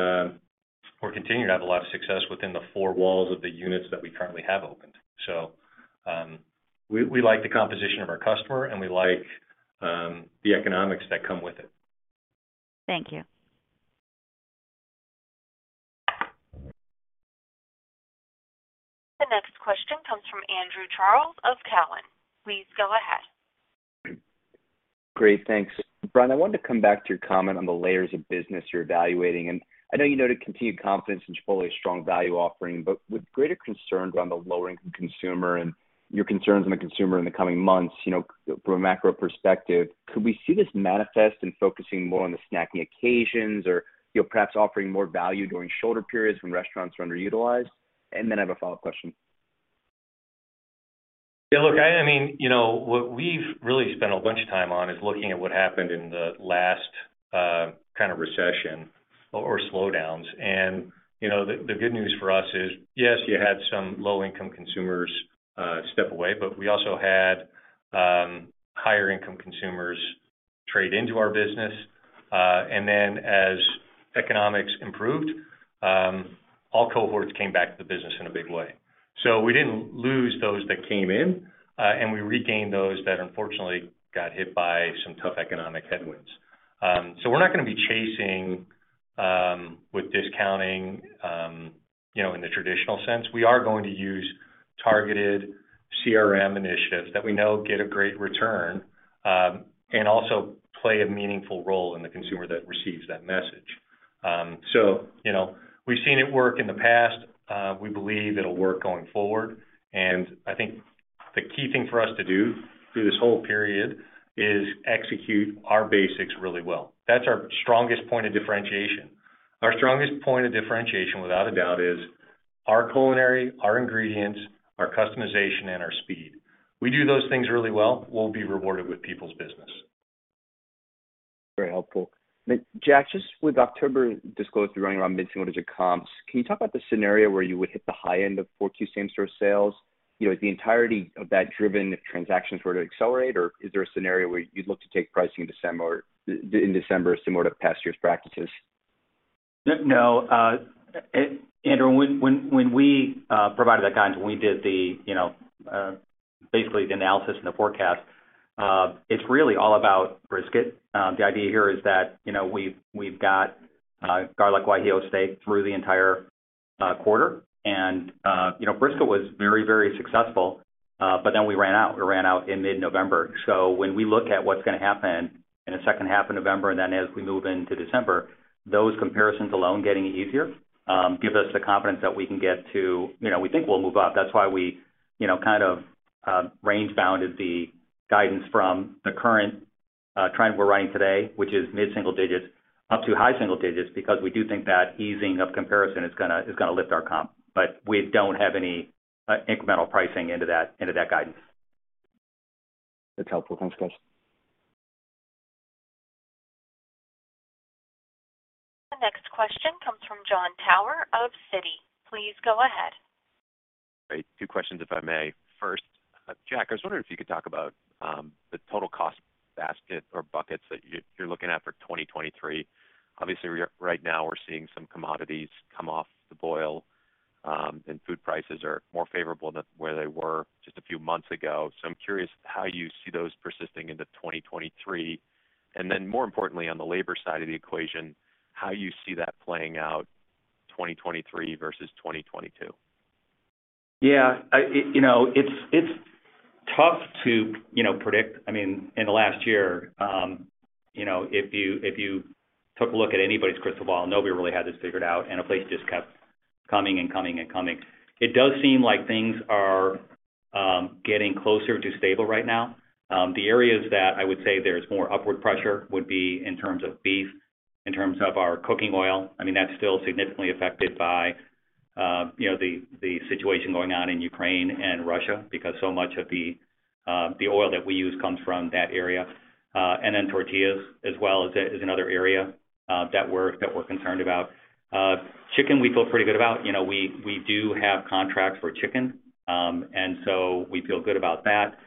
we're continuing to have a lot of success within the four walls of the units that we currently have opened. We like the composition of our customer, and we like the economics that come with it. Thank you. The next question comes from Andrew Charles of Cowen. Please go ahead. Great. Thanks. Brian, I wanted to come back to your comment on the layers of business you're evaluating. I know you noted continued confidence in Chipotle's strong value offering, but with greater concerns around the lower-income consumer and your concerns on the consumer in the coming months, you know, from a macro perspective, could we see this manifest in focusing more on the snacking occasions or, you know, perhaps offering more value during shorter periods when restaurants are underutilized? Then I have a follow-up question. Yeah, look, I mean, you know, what we've really spent a bunch of time on is looking at what happened in the last kind of recession or slowdowns. You know, the good news for us is, yes, you had some low-income consumers step away, but we also had higher income consumers trade into our business. Then as economics improved, all cohorts came back to the business in a big way. We didn't lose those that came in, and we regained those that unfortunately got hit by some tough economic headwinds. We're not going to be chasing with discounting, you know, in the traditional sense. We are going to use targeted CRM initiatives that we know get a great return, and also play a meaningful role in the consumer that receives that message. You know, we've seen it work in the past. We believe it'll work going forward. I think the key thing for us to do through this whole period is execute our basics really well. That's our strongest point of differentiation. Our strongest point of differentiation, without a doubt, is our culinary, our ingredients, our customization, and our speed. We do those things really well, we'll be rewarded with people's business. Very helpful. Jack, just with October disclosed running around mid-single digit comps, can you talk about the scenario where you would hit the high end of Q4 same-store sales? You know, is the entirety of that driven if transactions were to accelerate, or is there a scenario where you'd look to take pricing in December similar to past years' practices? No, Andrew, when we provided that guidance, when we did the, you know, basically the analysis and the forecast, it's really all about brisket. The idea here is that, you know, we've got Garlic Guajillo Steak through the entire quarter. You know, brisket was very successful, but then we ran out. We ran out in mid-November. When we look at what's gonna happen in the second half of November, and then as we move into December, those comparisons alone getting easier give us the confidence that we can get to. You know, we think we'll move up. That's why we, you know, kind of range-bounded the guidance from the current trend we're running today, which is mid-single digits up to high single digits because we do think that easing of comparison is gonna lift our comp. But we don't have any incremental pricing into that guidance. That's helpful. Thanks, guys. The next question comes from Jon Tower of Citi. Please go ahead. Great. Two questions if I may. First, Jack, I was wondering if you could talk about the total cost basket or buckets that you're looking at for 2023. Obviously, right now we're seeing some commodities come off the boil, and food prices are more favorable than where they were just a few months ago. I'm curious how you see those persisting into 2023. More importantly, on the labor side of the equation, how you see that playing out, 2023 versus 2022. Yeah. You know, it's tough to, you know, predict. I mean, in the last year, you know, if you took a look at anybody's crystal ball, nobody really had this figured out, and inflation just kept coming and coming and coming. It does seem like things are getting closer to stable right now. The areas that I would say there's more upward pressure would be in terms of beef, in terms of our cooking oil. I mean, that's still significantly affected by, you know, the situation going on in Ukraine and Russia because so much of the oil that we use comes from that area. And then tortillas as well is another area that we're concerned about. Chicken we feel pretty good about. You know, we do have contracts for chicken, and so we feel good about that.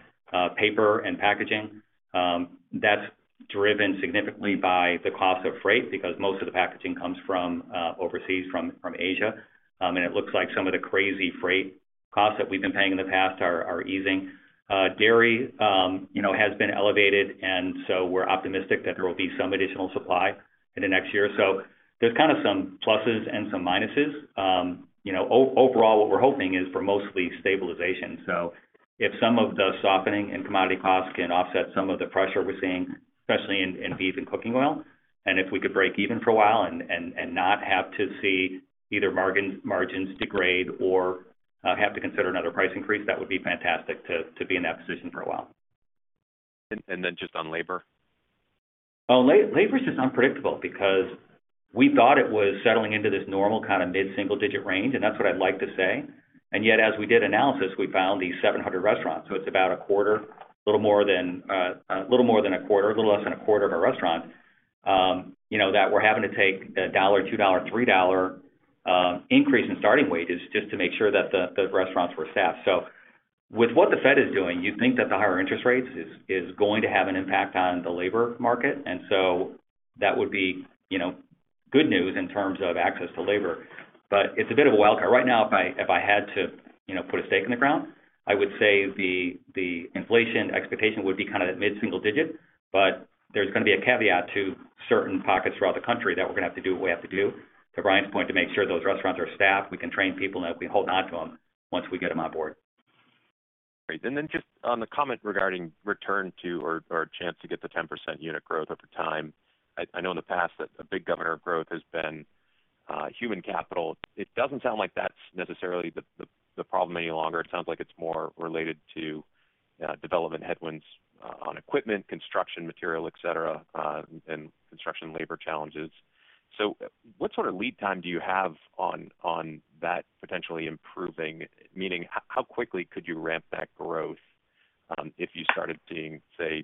Paper and packaging, that's driven significantly by the cost of freight because most of the packaging comes from overseas from Asia. It looks like some of the crazy freight costs that we've been paying in the past are easing. Dairy, you know, has been elevated, and so we're optimistic that there will be some additional supply in the next year. There's kind of some pluses and some minuses. You know, overall, what we're hoping is for mostly stabilization. If some of the softening in commodity costs can offset some of the pressure we're seeing, especially in beef and cooking oil, and if we could break even for a while and not have to see margins degrade or have to consider another price increase, that would be fantastic to be in that position for a while. Just on labor. Well, labor is just unpredictable because we thought it was settling into this normal kind of mid-single-digit range, and that's what I'd like to say. Yet, as we did analysis, we found these 700 restaurants. It's about a quarter, a little more than a quarter, a little less than a quarter of a restaurant, you know, that we're having to take a $1, $2, $3 increase in starting wages just to make sure that the restaurants were staffed. With what the Fed is doing, you think that the higher interest rates is going to have an impact on the labor market. That would be, you know, good news in terms of access to labor. It's a bit of a wild card. Right now, if I had to, you know, put a stake in the ground, I would say the inflation expectation would be kind of mid-single-digit%, but there's gonna be a caveat to certain pockets throughout the country that we're gonna have to do what we have to do. To Brian's point, to make sure those restaurants are staffed, we can train people, and that we hold on to them once we get them on board. Great. Then just on the comment regarding return to or a chance to get to 10% unit growth over time, I know in the past that a big governor of growth has been human capital. It doesn't sound like that's necessarily the problem any longer. It sounds like it's more related to development headwinds on equipment, construction material, et cetera, and construction labor challenges. What sort of lead time do you have on that potentially improving? Meaning how quickly could you ramp that growth if you started seeing, say,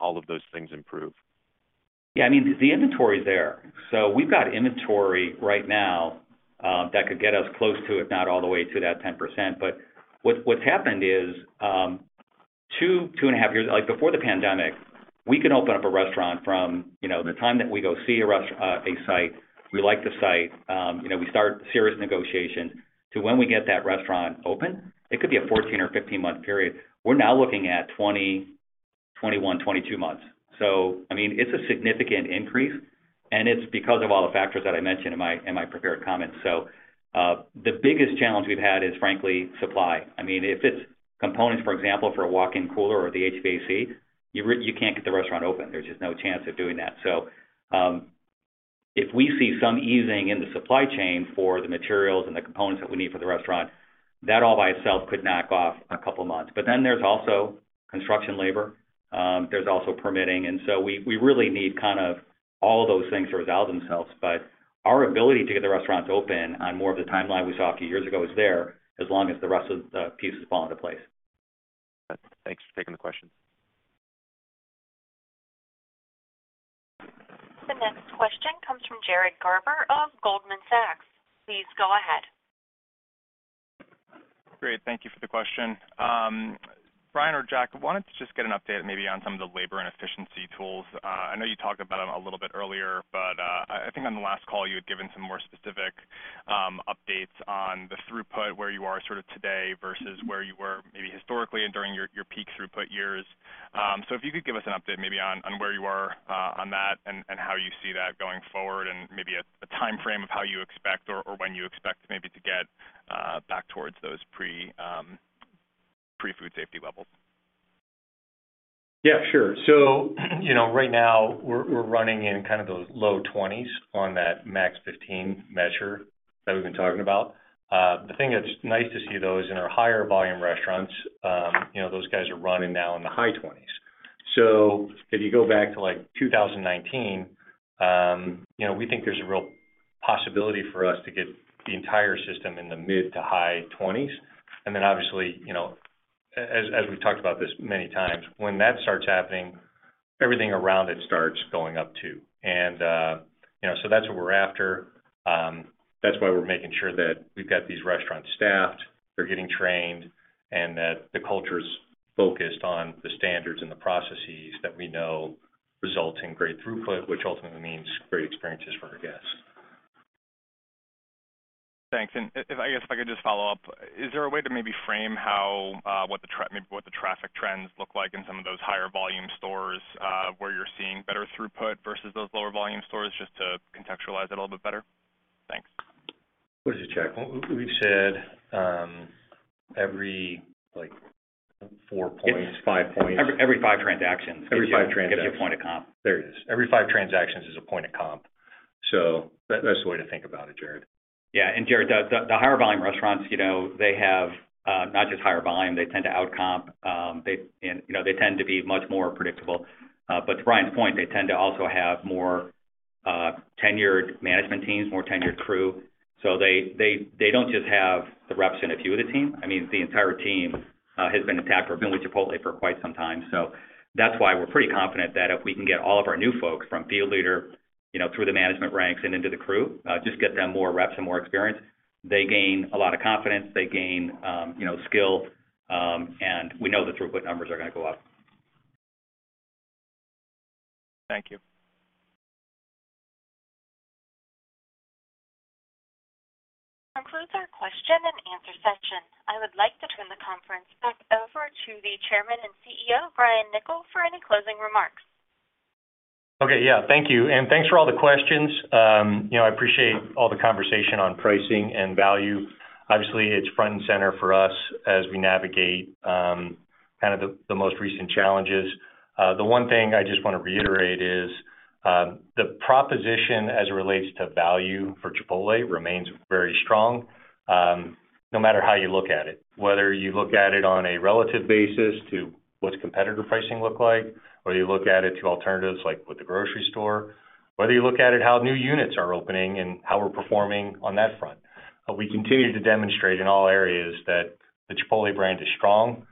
all of those things improve? Yeah. I mean, the inventory is there. We've got inventory right now that could get us close to, if not all the way to that 10%. What's happened is 2.5 years. Before the pandemic, we can open up a restaurant from the time that we go see a site, we like the site, you know, we start serious negotiation to when we get that restaurant open, it could be a 14- or 15-month period. We're now looking at 20-22 months. I mean, it's a significant increase, and it's because of all the factors that I mentioned in my prepared comments. The biggest challenge we've had is, frankly, supply. I mean, if it's components, for example, for a walk-in cooler or the HVAC, you can't get the restaurant open. There's just no chance of doing that. If we see some easing in the supply chain for the materials and the components that we need for the restaurant, that all by itself could knock off a couple of months. There's also construction labor, there's also permitting. We really need kind of all of those things to resolve themselves. Our ability to get the restaurants open on more of the timeline we saw a few years ago is there, as long as the rest of the pieces fall into place. Thanks for taking the question. The next question comes from Jared Garber of Goldman Sachs. Please go ahead. Great. Thank you for the question. Brian or Jack, wanted to just get an update maybe on some of the labor and efficiency tools. I know you talked about them a little bit earlier, but I think on the last call, you had given some more specific updates on the throughput, where you are sort of today versus where you were maybe historically and during your peak throughput years. If you could give us an update maybe on where you are on that and how you see that going forward and maybe a timeframe of how you expect or when you expect maybe to get back towards those pre-food safety levels. Yeah, sure. You know, right now we're running in kind of those low twenties on that max fifteen measure that we've been talking about. The thing that's nice to see, though, is in our higher volume restaurants, you know, those guys are running now in the high twenties. If you go back to, like, 2019, you know, we think there's a real possibility for us to get the entire system in the mid to high twenties. Obviously, you know, as we've talked about this many times, when that starts happening, everything around it starts going up, too. You know, so that's what we're after. That's why we're making sure that we've got these restaurants staffed, they're getting trained, and that the culture's focused on the standards and the processes that we know result in great throughput, which ultimately means great experiences for our guests. Thanks. I guess, if I could just follow up. Is there a way to maybe frame how maybe what the traffic trends look like in some of those higher volume stores, where you're seeing better throughput versus those lower volume stores, just to contextualize it a little bit better? Thanks. What is it, Jack? We've said, every, like, 4 points, 5 points- Every five transactions. Every five transactions. Gets you a point of comp. There it is. Every five transactions is a point of comp. That, that's the way to think about it, Jared. Jared, the higher volume restaurants, you know, they have not just higher volume, they tend to outcompete. They tend to be much more predictable. To Brian's point, they tend to also have more tenured management teams, more tenured crew. They don't just have the reps and a few of the team. I mean, the entire team has been intact or been with Chipotle for quite some time. That's why we're pretty confident that if we can get all of our new folks from field leader, you know, through the management ranks and into the crew, just get them more reps and more experience, they gain a lot of confidence, they gain, you know, skill, and we know the throughput numbers are gonna go up. Thank you. That concludes our question and answer session. I would like to turn the conference back over to the Chairman and CEO, Brian Niccol, for any closing remarks. Okay, yeah. Thank you. Thanks for all the questions. You know, I appreciate all the conversation on pricing and value. Obviously, it's front and center for us as we navigate kind of the most recent challenges. The one thing I just wanna reiterate is the proposition as it relates to value for Chipotle remains very strong no matter how you look at it. Whether you look at it on a relative basis to what's competitor pricing look like, or you look at it to alternatives like with the grocery store, whether you look at it how new units are opening and how we're performing on that front. We continue to demonstrate in all areas that the Chipotle brand is strong,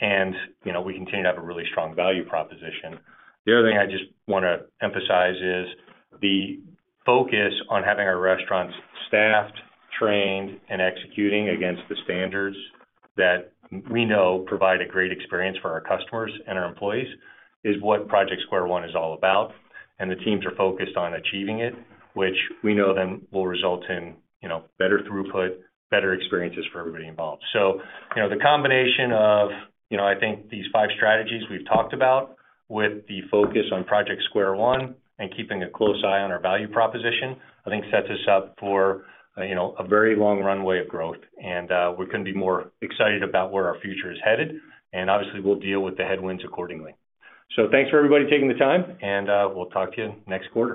and you know, we continue to have a really strong value proposition. The other thing I just want to emphasize is the focus on having our restaurants staffed, trained, and executing against the standards that we know provide a great experience for our customers and our employees is what Project Square One is all about, and the teams are focused on achieving it, which we know then will result in, you know, better throughput, better experiences for everybody involved. You know, the combination of, you know, I think these five strategies we've talked about with the focus on Project Square One and keeping a close eye on our value proposition, I think sets us up for, you know, a very long runway of growth. We couldn't be more excited about where our future is headed, and obviously, we'll deal with the headwinds accordingly. Thanks for everybody taking the time, and we'll talk to you next quarter.